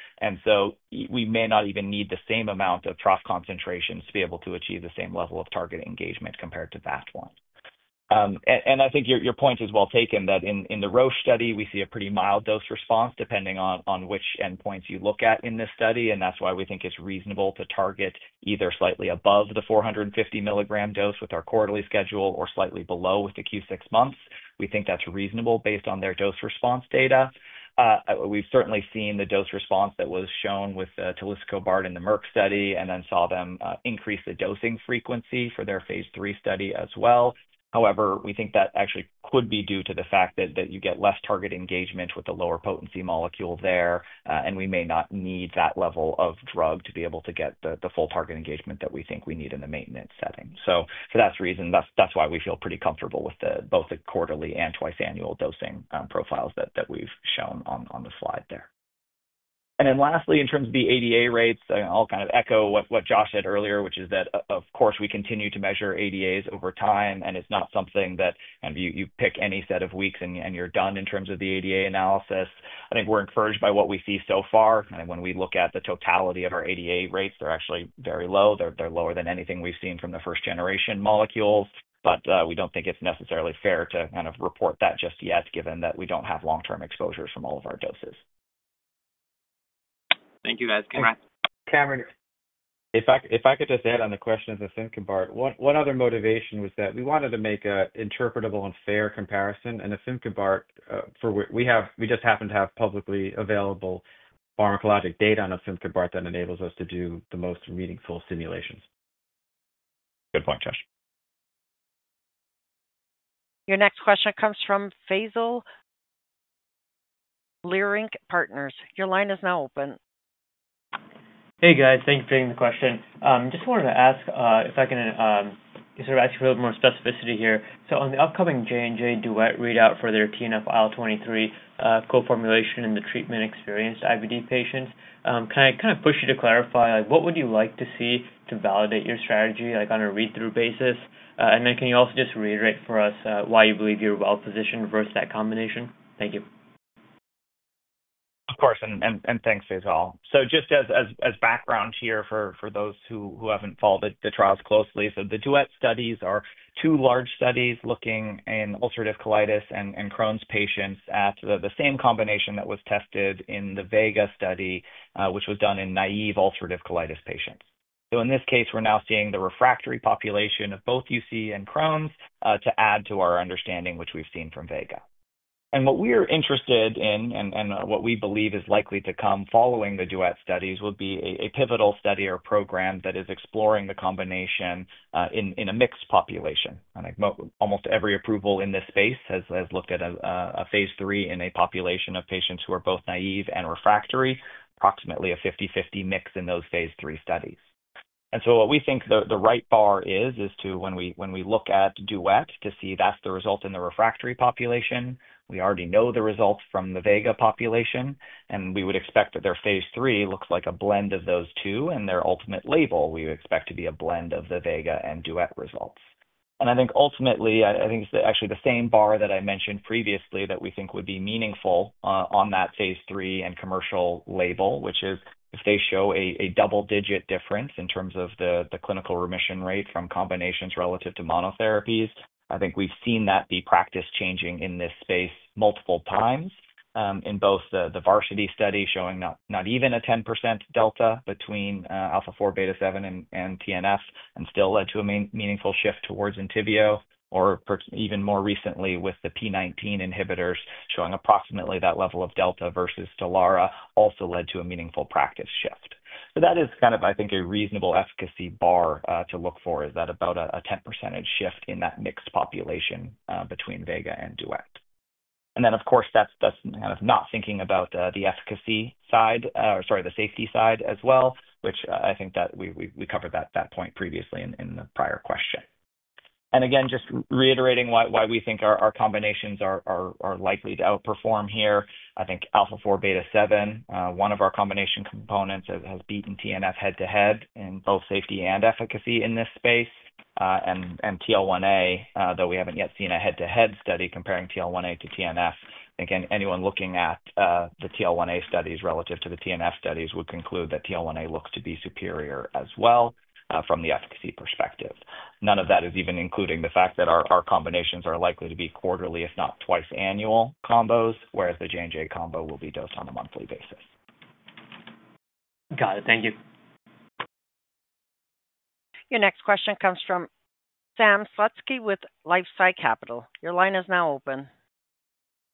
We may not even need the same amount of trough concentrations to be able to achieve the same level of target engagement compared to that one. I think your point is well taken that in the Roche study, we see a pretty mild dose response depending on which endpoints you look at in this study. That's why we think it's reasonable to target either slightly above the 450 milligram dose with our Quarterly schedule or slightly below with the Q6 months. We think that's reasonable based on their dose response data. We've certainly seen the dose response that was shown with Talisokibart in the Merck study and then saw them increase the dosing frequency for their Phase 3 study as well. However, we think that actually could be due to the fact that you get less target engagement with the lower potency molecule there, and we may not need that level of drug to be able to get the full target engagement that we think we need in the maintenance setting. For that reason, that's why we feel pretty comfortable with both the Quarterly and twice-annual dosing profiles that we've shown on the slide there. Lastly, in terms of the ADA rates, I'll kind of echo what Josh said earlier, which is that, of course, we continue to measure ADAs over time, and it's not something that you pick any set of weeks and you're done in terms of the ADA analysis. I think we're encouraged by what we see so far. I think when we look at the totality of our ADA rates, they're actually very low. They're lower than anything we've seen from the first-generation molecules, but we don't think it's necessarily fair to kind of report that just yet, given that we don't have long-term exposures from all of our doses. Thank you, guys. Cameron. If I could just add on the question of the Fimcobart, what other motivation was that? We wanted to make an interpretable and fair comparison, and the Fimcobart, we just happen to have publicly available pharmacologic data on a Fimcobart that enables us to do the most meaningful simulations. Good point, Josh. Your next question comes from Faisal Leerink Partners. Your line is now open. Hey, guys. Thanks for taking the question. Just wanted to ask if I can sort of ask you for a little more specificity here. On the upcoming J&J Duet readout for their TNF IL-23 co-formulation in the treatment-experienced IBD patients, can I kind of push you to clarify what would you like to see to validate your strategy on a read-through basis? Can you also just reiterate for us why you believe you're well-positioned versus that combination? Thank you. Of course, and thanks, Faisal. Just as background here for those who haven't followed the trials closely, the Duet studies are two large studies looking in ulcerative colitis and Crohn's patients at the same combination that was tested in the Vega study, which was done in naive ulcerative colitis patients. In this case, we're now seeing the refractory population of both UC and Crohn's to add to our understanding, which we've seen from Vega. What we are interested in and what we believe is likely to come following the Duet studies will be a pivotal study or program that is exploring the combination in a mixed population. Almost every approval in this space has looked at a Phase 3 in a population of patients who are both naive and refractory, approximately a 50-50 mix in those Phase 3 studies. What we think the right bar is, is to, when we look at Duet, to see that's the result in the refractory population. We already know the results from the Vega population, and we would expect that their Phase 3 looks like a blend of those two, and their ultimate label we expect to be a blend of the Vega and Duet results. I think ultimately, I think it's actually the same bar that I mentioned previously that we think would be meaningful on that Phase 3 and commercial label, which is if they show a double-digit difference in terms of the clinical remission rate from combinations relative to monotherapies, I think we've seen that be practice-changing in this space multiple times in both the Varsity study showing not even a 10% delta between α4β7 and TNF, and still led to a meaningful shift towards Entyvio, or even more recently with P19 Inhibitors showing approximately that level of delta versus Stelara, also led to a meaningful practice shift. That is kind of, I think, a reasonable efficacy bar to look for, is that about a 10% shift in that mixed population between Vega and Duet. Of course, that's kind of not thinking about the efficacy side, or sorry, the safety side as well, which I think that we covered that point previously in the prior question. Again, just reiterating why we think our combinations are likely to outperform here, I think α4β7, one of our combination components, has beaten TNF head-to-head in both safety and efficacy in this space. TL1A, though we haven't yet seen a head-to-head study comparing TL1A to TNF, I think anyone looking at the TL1A studies relative to the TNF studies would conclude that TL1A looks to be superior as well from the efficacy perspective. None of that is even including the fact that our combinations are likely to be Quarterly, if not twice-annual combos, whereas the J&J combo will be dosed on a monthly basis. Got it. Thank you. Your next question comes from Sam Slutsky with LifeSci Capital. Your line is now open.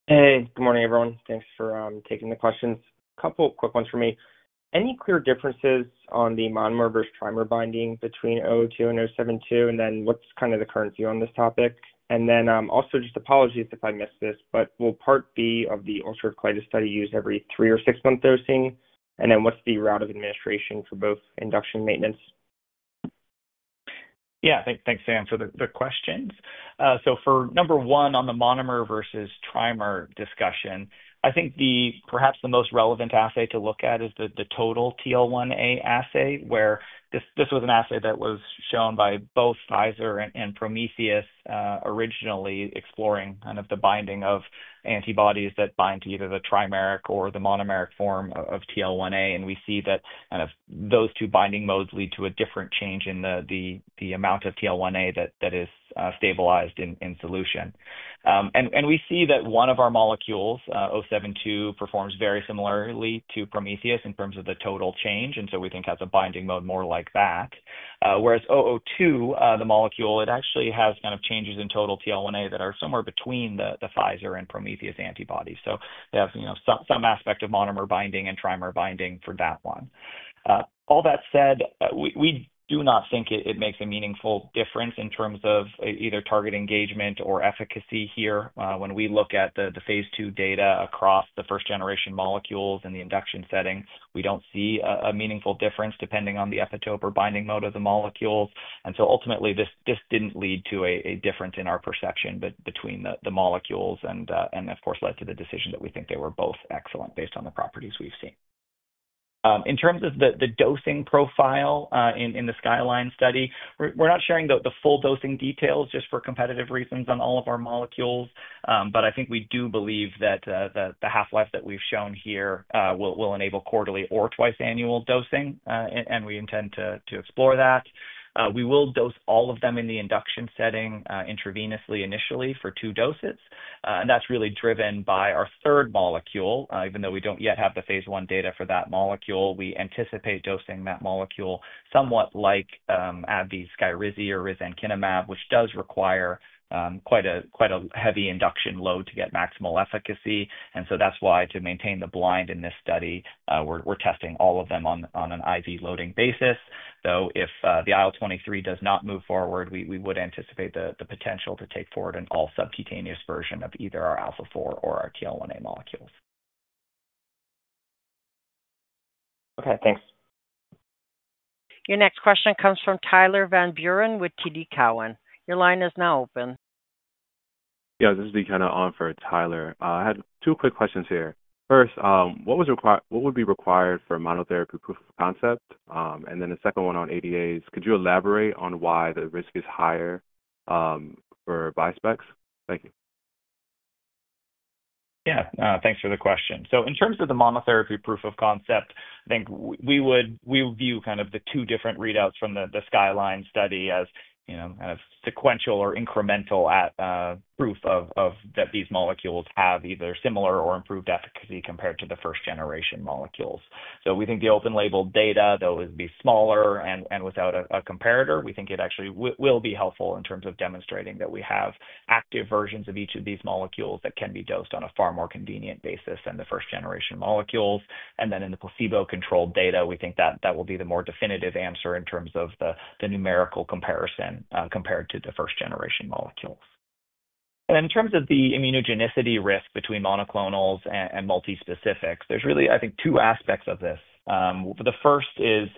Hey, good morning, everyone. Thanks for taking the questions. A couple of quick ones for me. Any clear differences on the monomer versus trimer binding between 002 and 072, and then what's kind of the currency on this topic? Also, just apologies if I missed this, but will Part B of the ulcerative colitis study use every three or six-month dosing? What's the route of administration for both induction and maintenance? Yeah, thanks, Sam, for the questions. For number one on the monomer versus trimer discussion, I think perhaps the most relevant assay to look at is the total TL1A assay, where this was an assay that was shown by both Pfizer and Prometheus originally exploring kind of the binding of antibodies that bind to either the trimeric or the monomeric form of TL1A, and we see that kind of those two binding modes lead to a different change in the amount of TL1A that is stabilized in solution. We see that one of our molecules, SPY072, performs very similarly to Prometheus in terms of the total change, and so we think has a binding mode more like that. Whereas SPY002, the molecule, it actually has kind of changes in total TL1A that are somewhere between the Pfizer and Prometheus antibodies. They have some aspect of monomer binding and trimer binding for that one. All that said, we do not think it makes a meaningful difference in terms of either target engagement or efficacy here. When we look at the Phase 2 data across the first-generation molecules in the induction setting, we do not see a meaningful difference depending on the epitope or binding mode of the molecules. Ultimately, this did not lead to a difference in our perception between the molecules and, of course, led to the decision that we think they were both excellent based on the properties we have seen. In terms of the dosing profile in the Skyline study, we're not sharing the full dosing details just for competitive reasons on all of our molecules, but I think we do believe that the half-life that we've shown here will enable Quarterly or twice-annual dosing, and we intend to explore that. We will dose all of them in the induction setting intravenously initially for two doses. That is really driven by our third molecule. Even though we do not yet have the Phase 1 data for that molecule, we anticipate dosing that molecule somewhat like AbbVie's Skyrizi or risankizumab, which does require quite a heavy induction load to get maximal efficacy. That is why, to maintain the blind in this study, we're testing all of them on an IV loading basis. If the IL-23 does not move forward, we would anticipate the potential to take forward an all-subcutaneous version of either our alpha-4 or our TL1A molecules. Okay, thanks. Your next question comes from Tyler Van Buren with TD Cowen. Your line is now open. Yeah, this is BK on for Tyler. I had two quick questions here. First, what would be required for monotherapy proof of concept? Then the second one on ADAs, could you elaborate on why the risk is higher for VispEx? Thank you. Yeah, thanks for the question. In terms of the monotherapy proof of concept, I think we would view kind of the two different readouts from the Skyline study as kind of sequential or incremental proof that these molecules have either similar or improved efficacy compared to the first-generation molecules. We think the open-label data, though, would be smaller and without a comparator. We think it actually will be helpful in terms of demonstrating that we have active versions of each of these molecules that can be dosed on a far more convenient basis than the first-generation molecules. In the placebo-controlled data, we think that that will be the more definitive answer in terms of the numerical comparison compared to the first-generation molecules. In terms of the immunogenicity risk between monoclonals and multispecifics, there's really, I think, two aspects of this. The first is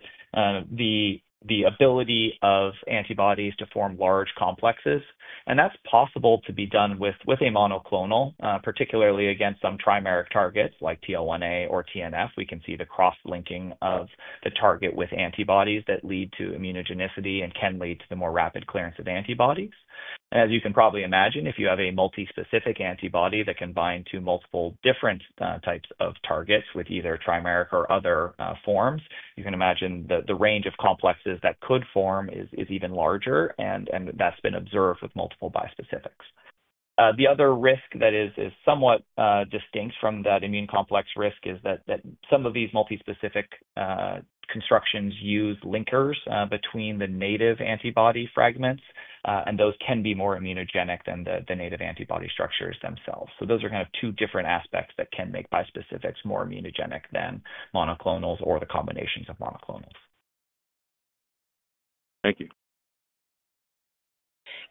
the ability of antibodies to form large complexes. That is possible to be done with a monoclonal, particularly against some trimeric targets like TL1A or TNF. We can see the cross-linking of the target with antibodies that lead to immunogenicity and can lead to the more rapid clearance of antibodies. As you can probably imagine, if you have a multispecific antibody that can bind to multiple different types of targets with either trimeric or other forms, you can imagine the range of complexes that could form is even larger, and that has been observed with multiple bispecifics. The other risk that is somewhat distinct from that immune complex risk is that some of these multispecific constructions use linkers between the native antibody fragments, and those can be more immunogenic than the native antibody structures themselves. Those are kind of two different aspects that can make bispecifics more immunogenic than monoclonals or the combinations of monoclonals. Thank you.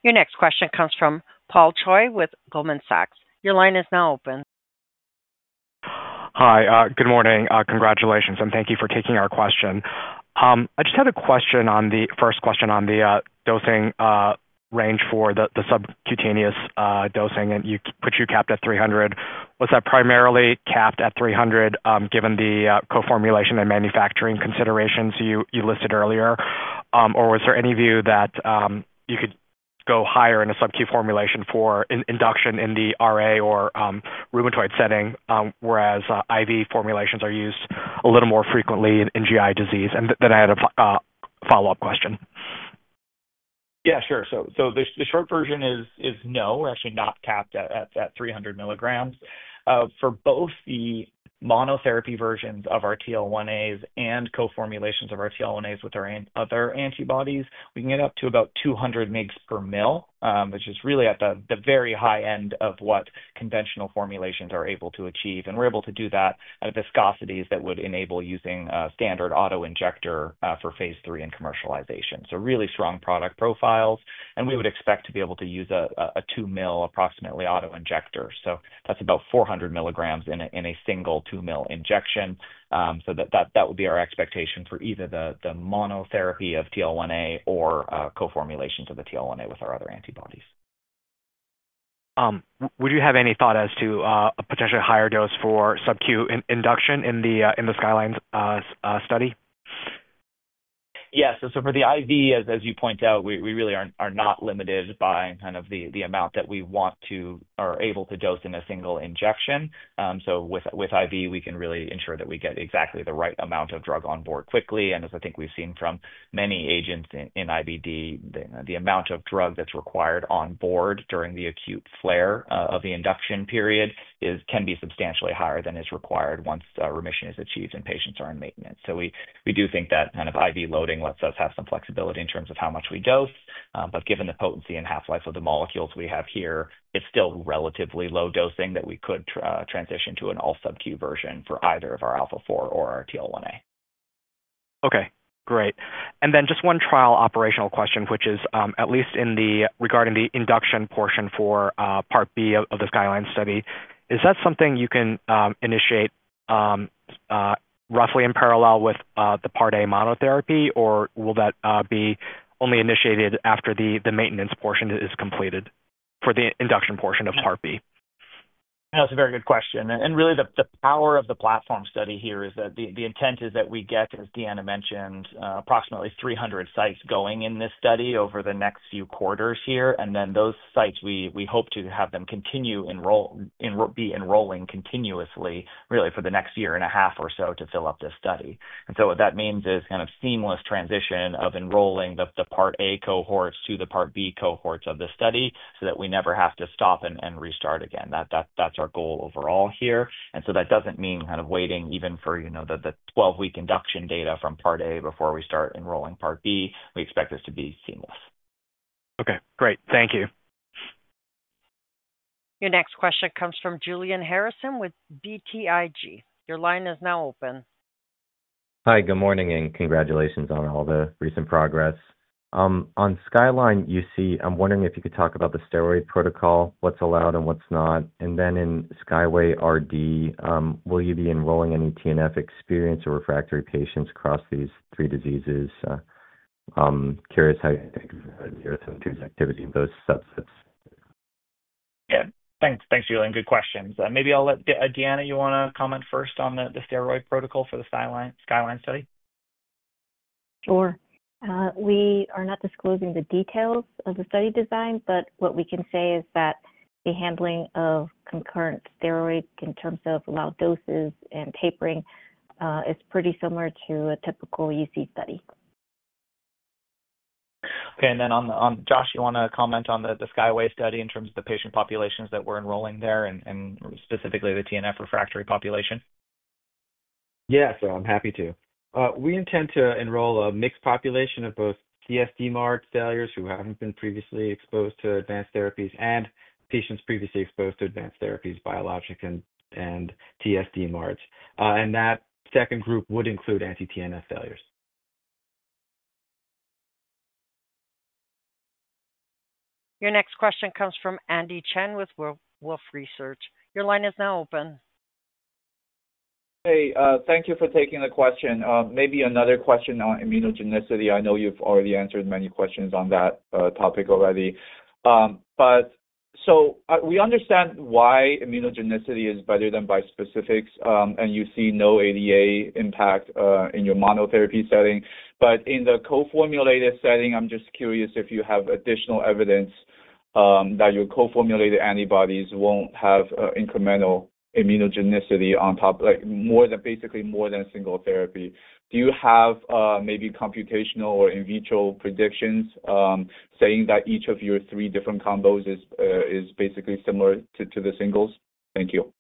Your next question comes from Paul Choi with Goldman Sachs. Your line is now open. Hi, good morning. Congratulations, and thank you for taking our question. I just had a question on the first question on the dosing range for the subcutaneous dosing, and you put you capped at 300 milligrams. Was that primarily capped at 300 milligrams given the co-formulation and manufacturing considerations you listed earlier? Was there any view that you could go higher in a subcu formulation for induction in the RA or rheumatoid setting, whereas IV formulations are used a little more frequently in GI disease? I had a follow-up question. Yeah, sure. The short version is no, we're actually not capped at 300 milligrams. For both the monotherapy versions of our TL1As and co-formulations of our TL1As with our other antibodies, we can get up to about 200 mg per ml, which is really at the very high end of what conventional formulations are able to achieve. We're able to do that at viscosities that would enable using standard autoinjector for Phase 3 and commercialization. Really strong product profiles. We would expect to be able to use a 2 ml approximately autoinjector. That's about 400 milligrams in a single 2 ml injection. That would be our expectation for either the monotherapy of TL1A or co-formulations of the TL1A with our other antibodies. Would you have any thought as to a potentially higher dose for subcu induction in the Skyline study? Yeah. So for the IV, as you point out, we really are not limited by kind of the amount that we want to or are able to dose in a single injection. With IV, we can really ensure that we get exactly the right amount of drug on board quickly. As I think we've seen from many agents in IBD, the amount of drug that's required on board during the acute flare of the induction period can be substantially higher than is required once remission is achieved and patients are in maintenance. We do think that kind of IV loading lets us have some flexibility in terms of how much we dose. Given the potency and half-life of the molecules we have here, it's still relatively low dosing that we could transition to an all-subcu version for either of our alpha-4 or our TL1A. Okay, great. And then just one trial operational question, which is at least regarding the induction portion for Part B of the Skyline study. Is that something you can initiate roughly in parallel with the Part A monotherapy, or will that be only initiated after the maintenance portion is completed for the induction portion of Part B? That's a very good question. Really, the power of the platform study here is that the intent is that we get, as Deanna mentioned, approximately 300 sites going in this study over the next few Quarters here. Those sites, we hope to have them be enrolling continuously, really, for the next year and a half or so to fill up this study. What that means is kind of seamless transition of enrolling the Part A cohorts to the Part B cohorts of the study so that we never have to stop and restart again. That's our goal overall here. That does not mean kind of waiting even for the 12-week induction data from Part A before we start enrolling Part B. We expect this to be seamless. Okay, great. Thank you. Your next question comes from Julian Harrison with BTIG. Your line is now open. Hi, good morning, and congratulations on all the recent progress. On Skyline, you see I'm wondering if you could talk about the steroid protocol, what's allowed and what's not. In Skyway RD, will you be enrolling any TNF experience or refractory patients across these three diseases? Curious how you think your activity in those subsets. Yeah, thanks, Julian. Good questions. Maybe I'll let Deanna, you want to comment first on the steroid protocol for the Skyline study? Sure. We are not disclosing the details of the study design, but what we can say is that the handling of concurrent steroids in terms of allowed doses and tapering is pretty similar to a typical UC study. Okay. Josh, you want to comment on the Skyway study in terms of the patient populations that we're enrolling there and specifically the TNF refractory population? Yeah, so I'm happy to. We intend to enroll a mixed population of both TSDMARD failures who haven't been previously exposed to advanced therapies and patients previously exposed to advanced therapies, biologic and TSDMARDs. That second group would include anti-TNF failures. Your next question comes from Andy Chen with Wolfe Research. Your line is now open. Hey, thank you for taking the question. Maybe another question on immunogenicity. I know you've already answered many questions on that topic already. We understand why immunogenicity is better than bispecifics, and you see no ADA impact in your monotherapy setting. In the co-formulated setting, I'm just curious if you have additional evidence that your co-formulated antibodies won't have incremental immunogenicity on top, basically more than single therapy. Do you have maybe computational or in vitro predictions saying that each of your three different combos is basically similar to the singles? Thank you.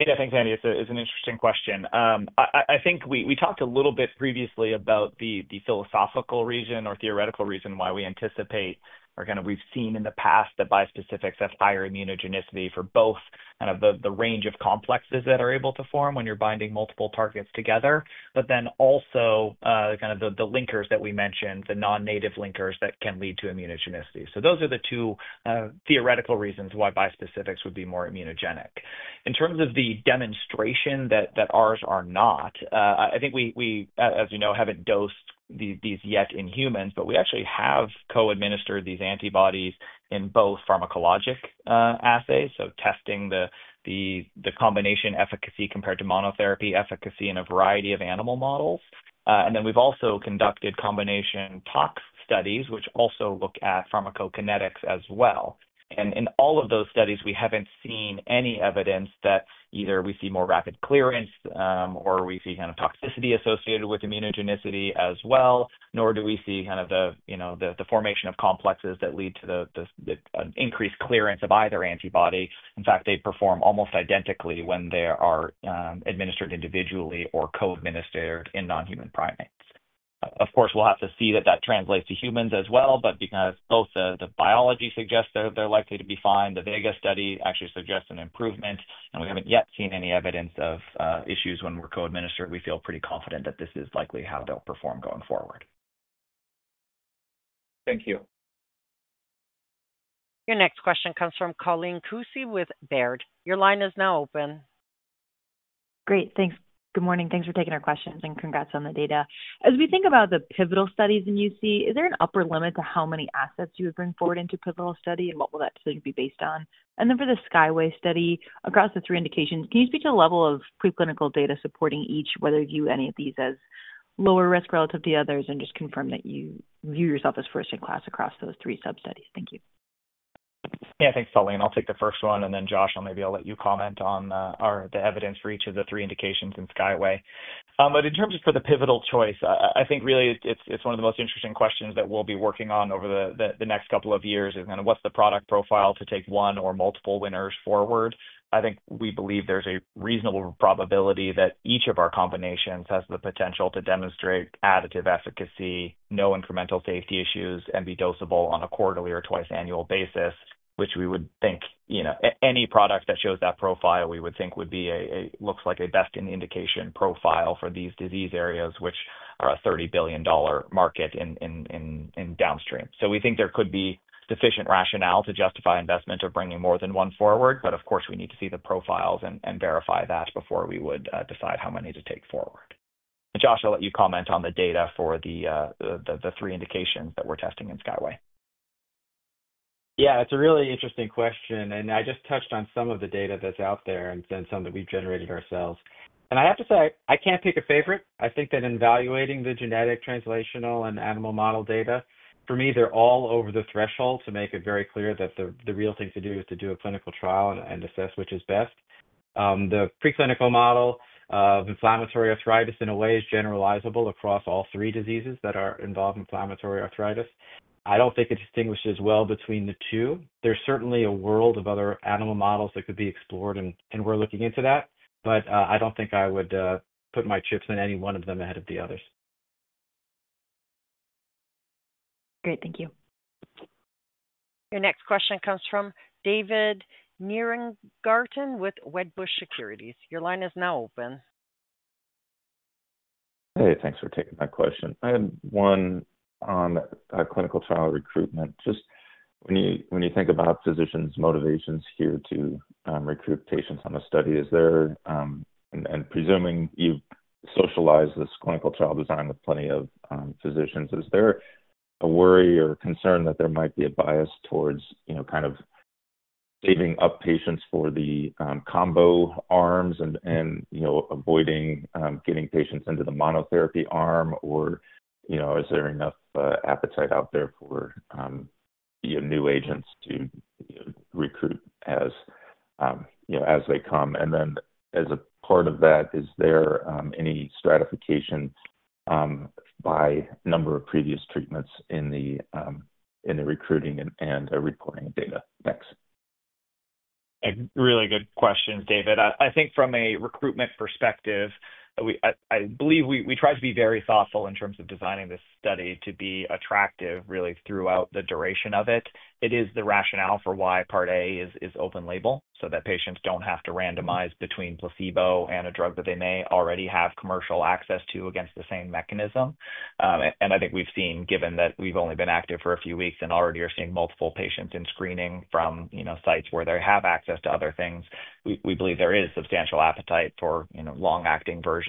Yeah, thanks, Andy. It's an interesting question. I think we talked a little bit previously about the philosophical reason or theoretical reason why we anticipate or kind of we've seen in the past that bispecifics have higher immunogenicity for both kind of the range of complexes that are able to form when you're binding multiple targets together, but then also kind of the linkers that we mentioned, the non-native linkers that can lead to immunogenicity. Those are the two theoretical reasons why bispecifics would be more immunogenic. In terms of the demonstration that ours are not, I think we, as you know, haven't dosed these yet in humans, but we actually have co-administered these antibodies in both pharmacologic assays, testing the combination efficacy compared to monotherapy efficacy in a variety of animal models. We have also conducted combination tox studies, which also look at pharmacokinetics as well. In all of those studies, we haven't seen any evidence that either we see more rapid clearance or we see kind of toxicity associated with immunogenicity as well, nor do we see kind of the formation of complexes that lead to an increased clearance of either antibody. In fact, they perform almost identically when they are administered individually or co-administered in non-human primates. Of course, we'll have to see that that translates to humans as well. Because both the biology suggests that they're likely to be fine, the Vega study actually suggests an improvement, and we haven't yet seen any evidence of issues when we're co-administered, we feel pretty confident that this is likely how they'll perform going forward. Thank you. Your next question comes from Colleen Kusy with Baird. Your line is now open. Great. Thanks. Good morning. Thanks for taking our questions and congrats on the data. As we think about the pivotal studies in UC, is there an upper limit to how many assets you would bring forward into a pivotal study, and what will that study be based on? For the Skyway study, across the three indications, can you speak to the level of preclinical data supporting each, whether you view any of these as lower risk relative to others, and just confirm that you view yourself as first-in-class across those three sub-studies? Thank you. Yeah, thanks, Colleen. I'll take the first one. Josh, maybe I'll let you comment on the evidence for each of the three indications in Skyway. In terms of for the pivotal choice, I think really it's one of the most interesting questions that we'll be working on over the next couple of years is kind of what's the product profile to take one or multiple winners forward? I think we believe there's a reasonable probability that each of our combinations has the potential to demonstrate additive efficacy, no incremental safety issues, and be dosable on a Quarterly or twice-annual basis, which we would think any product that shows that profile, we would think would be a looks like a best indication profile for these disease areas, which are a $30 billion market in downstream. We think there could be sufficient rationale to justify investment of bringing more than one forward. Of course, we need to see the profiles and verify that before we would decide how many to take forward. Josh, I'll let you comment on the data for the three indications that we're testing in Skyway. Yeah, it's a really interesting question. I just touched on some of the data that's out there and some that we've generated ourselves. I have to say, I can't pick a favorite. I think that in evaluating the genetic, translational, and animal model data, for me, they're all over the threshold to make it very clear that the real thing to do is to do a clinical trial and assess which is best. The preclinical model of inflammatory arthritis in a way is generalizable across all three diseases that involve inflammatory arthritis. I don't think it distinguishes well between the two. There's certainly a world of other animal models that could be explored, and we're looking into that. I don't think I would put my chips in any one of them ahead of the others. Great. Thank you. Your next question comes from David Nierengarten with Wedbush Securities. Your line is now open. Hey, thanks for taking that question. I had one on clinical trial recruitment. Just when you think about physicians' motivations here to recruit patients on a study, and presuming you socialize this clinical trial design with plenty of physicians, is there a worry or concern that there might be a bias towards kind of saving up patients for the combo arms and avoiding getting patients into the monotherapy arm? Is there enough appetite out there for new agents to recruit as they come? As a part of that, is there any stratification by number of previous treatments in the recruiting and reporting data? Thanks. Really good questions, David. I think from a recruitment perspective, I believe we tried to be very thoughtful in terms of designing this study to be attractive really throughout the duration of it. It is the rationale for why Part A is open label so that patients do not have to randomize between placebo and a drug that they may already have commercial access to against the same mechanism. I think we have seen, given that we have only been active for a few weeks and already are seeing multiple patients in screening from sites where they have access to other things, we believe there is substantial appetite for long-acting versions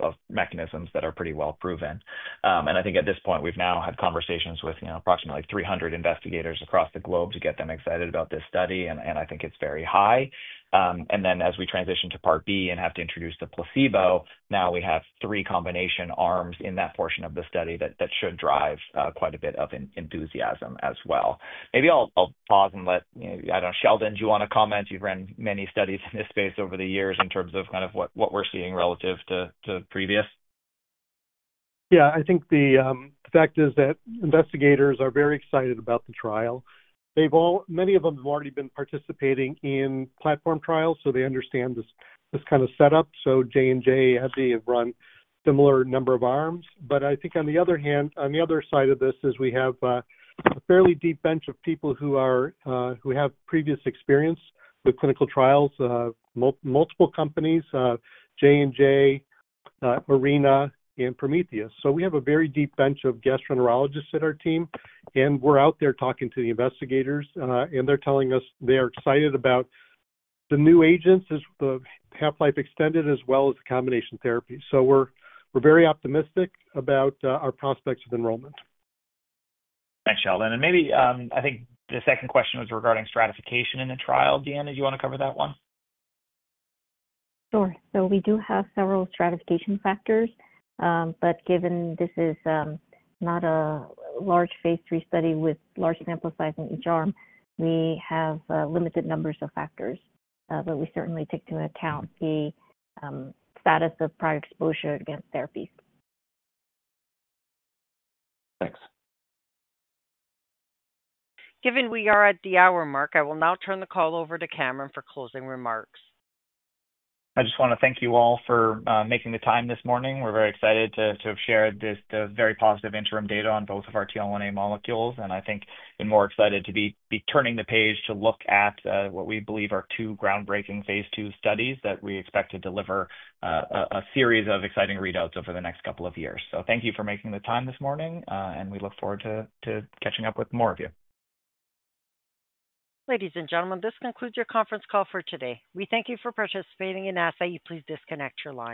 of mechanisms that are pretty well proven. I think at this point, we have now had conversations with approximately 300 investigators across the globe to get them excited about this study. I think it is very high. As we transition to Part B and have to introduce the placebo, now we have three combination arms in that portion of the study that should drive quite a bit of enthusiasm as well. Maybe I'll pause and let, I don't know, Sheldon, do you want to comment? You've run many studies in this space over the years in terms of kind of what we're seeing relative to previous. Yeah, I think the fact is that investigators are very excited about the trial. Many of them have already been participating in platform trials, so they understand this kind of setup. J&J, AbbVie have run a similar number of arms. I think on the other hand, on the other side of this is we have a fairly deep bench of people who have previous experience with clinical trials, multiple companies, J&J, Arena, and Prometheus. We have a very deep bench of gastroenterologists at our team. We're out there talking to the investigators, and they're telling us they are excited about the new agents, the half-life extended, as well as the combination therapy. We're very optimistic about our prospects of enrollment. Thanks, Sheldon. Maybe I think the second question was regarding stratification in the trial. Deanna, do you want to cover that one? Sure. We do have several stratification factors. Given this is not a large Phase III study with large sample size in each arm, we have limited numbers of factors. We certainly take into account the status of prior exposure against therapies. Thanks. Given we are at the hour mark, I will now turn the call over to Cameron for closing remarks. I just want to thank you all for making the time this morning. We're very excited to have shared this very positive interim data on both of our TL1A molecules. I think we're more excited to be turning the page to look at what we believe are two groundbreaking Phase II studies that we expect to deliver a series of exciting readouts over the next couple of years. Thank you for making the time this morning. We look forward to catching up with more of you. Ladies and gentlemen, this concludes your conference call for today. We thank you for participating in Spyre Therapeutics. You please disconnect your lines.